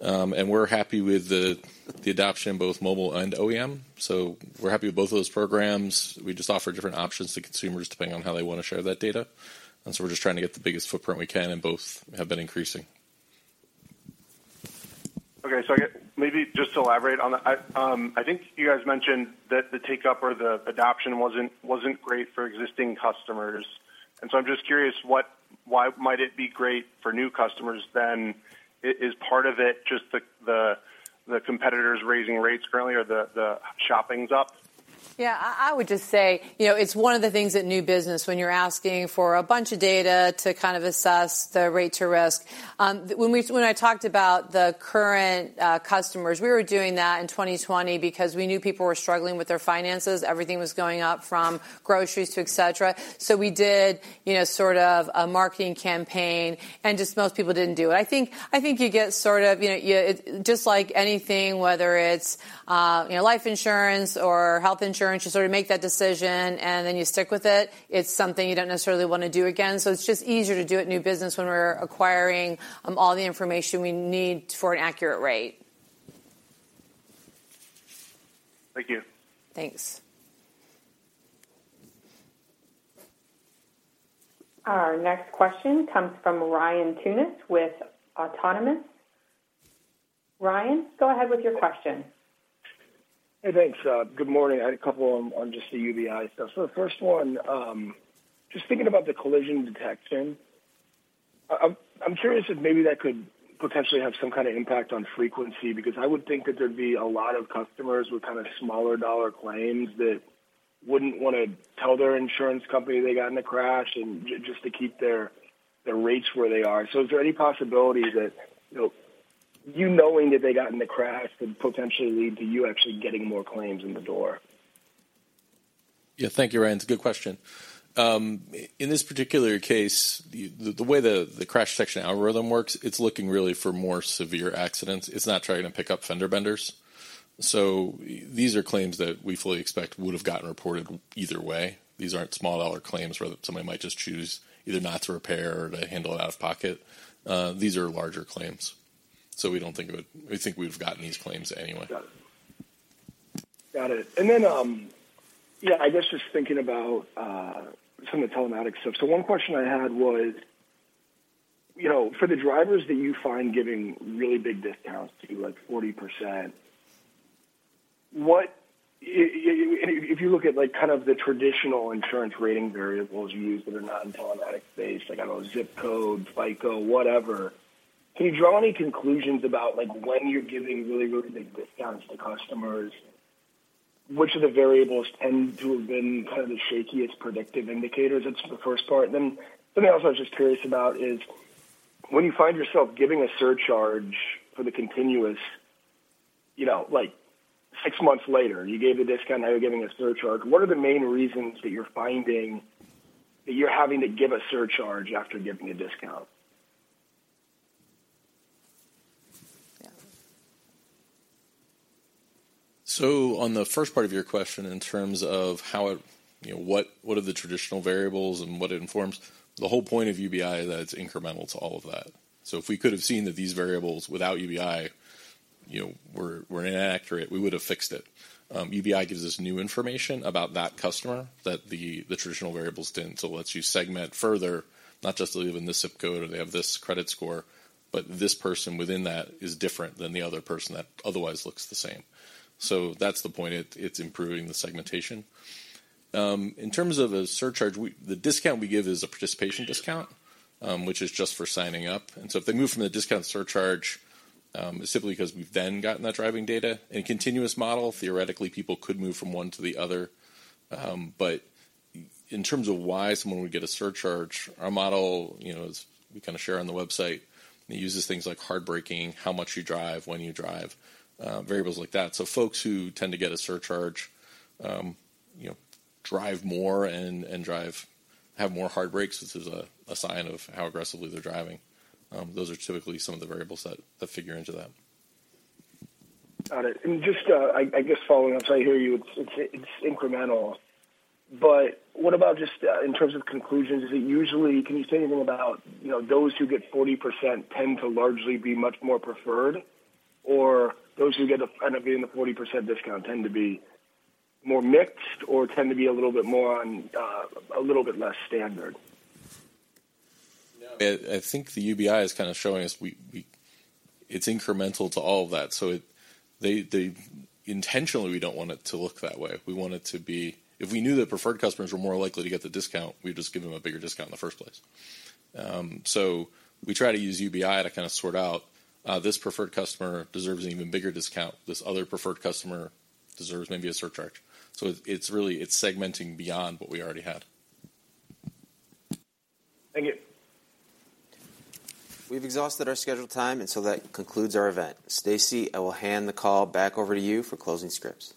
Speaker 3: We're happy with the adoption in both mobile and OEM. We're happy with both of those programs. We just offer different options to consumers depending on how they want to share that data. We're just trying to get the biggest footprint we can, and both have been increasing.
Speaker 19: I guess maybe just to elaborate on that. I think you guys mentioned that the take up or the adoption wasn't great for existing customers. I'm just curious, why might it be great for new customers then? Is part of it just the competitors raising rates currently or the shopping's up?
Speaker 2: Yeah, I would just say, you know, it's one of the things that new business, when you're asking for a bunch of data to kind of assess the rate to risk. When I talked about the current customers, we were doing that in 2020 because we knew people were struggling with their finances. Everything was going up from groceries to et cetera. We did, you know, sort of a marketing campaign and just most people didn't do it. I think you get sort of, you know, just like anything, whether it's, you know, life insurance or health insurance, you sort of make that decision and then you stick with it. It's something you don't necessarily want to do again. It's just easier to do it new business when we're acquiring, all the information we need for an accurate rate.
Speaker 19: Thank you.
Speaker 2: Thanks.
Speaker 5: Our next question comes from Ryan Tunis with Autonomous. Ryan, go ahead with your question.
Speaker 20: Hey, thanks. Good morning. I had a couple on just the UBI stuff. The first one, just thinking about the collision detection, I'm curious if maybe that could potentially have some kind of impact on frequency because I would think that there'd be a lot of customers with kind of smaller dollar claims that wouldn't want to tell their insurance company they got in a crash and just to keep their rates where they are. Is there any possibility that, you know, you knowing that they got in the crash could potentially lead to you actually getting more claims in the door?
Speaker 3: Thank you, Ryan. It's a good question. In this particular case, the way the crash detection algorithm works, it's looking really for more severe accidents. It's not trying to pick up fender benders. These are claims that we fully expect would have gotten reported either way. These aren't small dollar claims where somebody might just choose either not to repair or to handle it out of pocket. These are larger claims, we think we've gotten these claims anyway.
Speaker 20: Got it. Yeah, I guess just thinking about some of the telematics stuff. One question I had was, you know, for the drivers that you find giving really big discounts to you, like 40%, If you look at like kind of the traditional insurance rating variables you use that are not in telematics space, like, I don't know, zip code, FICO, whatever, can you draw any conclusions about like when you're giving really, really big discounts to customers, which of the variables tend to have been kind of the shakiest predictive indicators? That's the first part. Something else I was just curious about is. When you find yourself giving a surcharge for the continuous, you know, like six months later, you gave a discount, now you're giving a surcharge. What are the main reasons that you're finding that you're having to give a surcharge after giving a discount?
Speaker 3: Yeah. On the first part of your question, in terms of how it, you know, what are the traditional variables and what it informs, the whole point of UBI is that it's incremental to all of that. If we could have seen that these variables without UBI, you know, were inaccurate, we would have fixed it. UBI gives us new information about that customer that the traditional variables didn't. It lets you segment further, not just they live in this ZIP code or they have this credit score, but this person within that is different than the other person that otherwise looks the same. That's the point. It, it's improving the segmentation. In terms of a surcharge, the discount we give is a participation discount, which is just for signing up. If they move from the discount to surcharge, it's simply because we've then gotten that driving data. In a continuous model, theoretically, people could move from one to the other. But in terms of why someone would get a surcharge, our model, you know, as we kinda share on the website, it uses things like hard braking, how much you drive, when you drive, variables like that. Folks who tend to get a surcharge, you know, drive more and have more hard brakes. This is a sign of how aggressively they're driving. Those are typically some of the variables that figure into that.
Speaker 20: Got it. Just, I guess following up, I hear you, it's incremental. What about just, in terms of conclusions, is it usually can you say anything about, you know, those who get 40% tend to largely be much more preferred, or those who end up getting the 40% discount tend to be more mixed or tend to be a little bit more on, a little bit less standard?
Speaker 3: Yeah. I think the UBI is kind of showing us we, it's incremental to all of that. They Intentionally, we don't want it to look that way. We want it to be. If we knew that preferred customers were more likely to get the discount, we'd just give them a bigger discount in the first place. We try to use UBI to kind of sort out this preferred customer deserves an even bigger discount, this other preferred customer deserves maybe a surcharge. It's really, it's segmenting beyond what we already had.
Speaker 20: Thank you.
Speaker 1: We've exhausted our scheduled time, and so that concludes our event. Stacy, I will hand the call back over to you for closing scripts.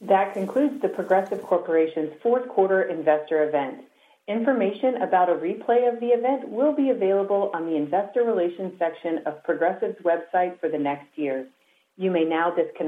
Speaker 5: That concludes The Progressive Corporation's fourth quarter investor event. Information about a replay of the event will be available on the investor relations section of Progressive's website for the next year. You may now disconnect.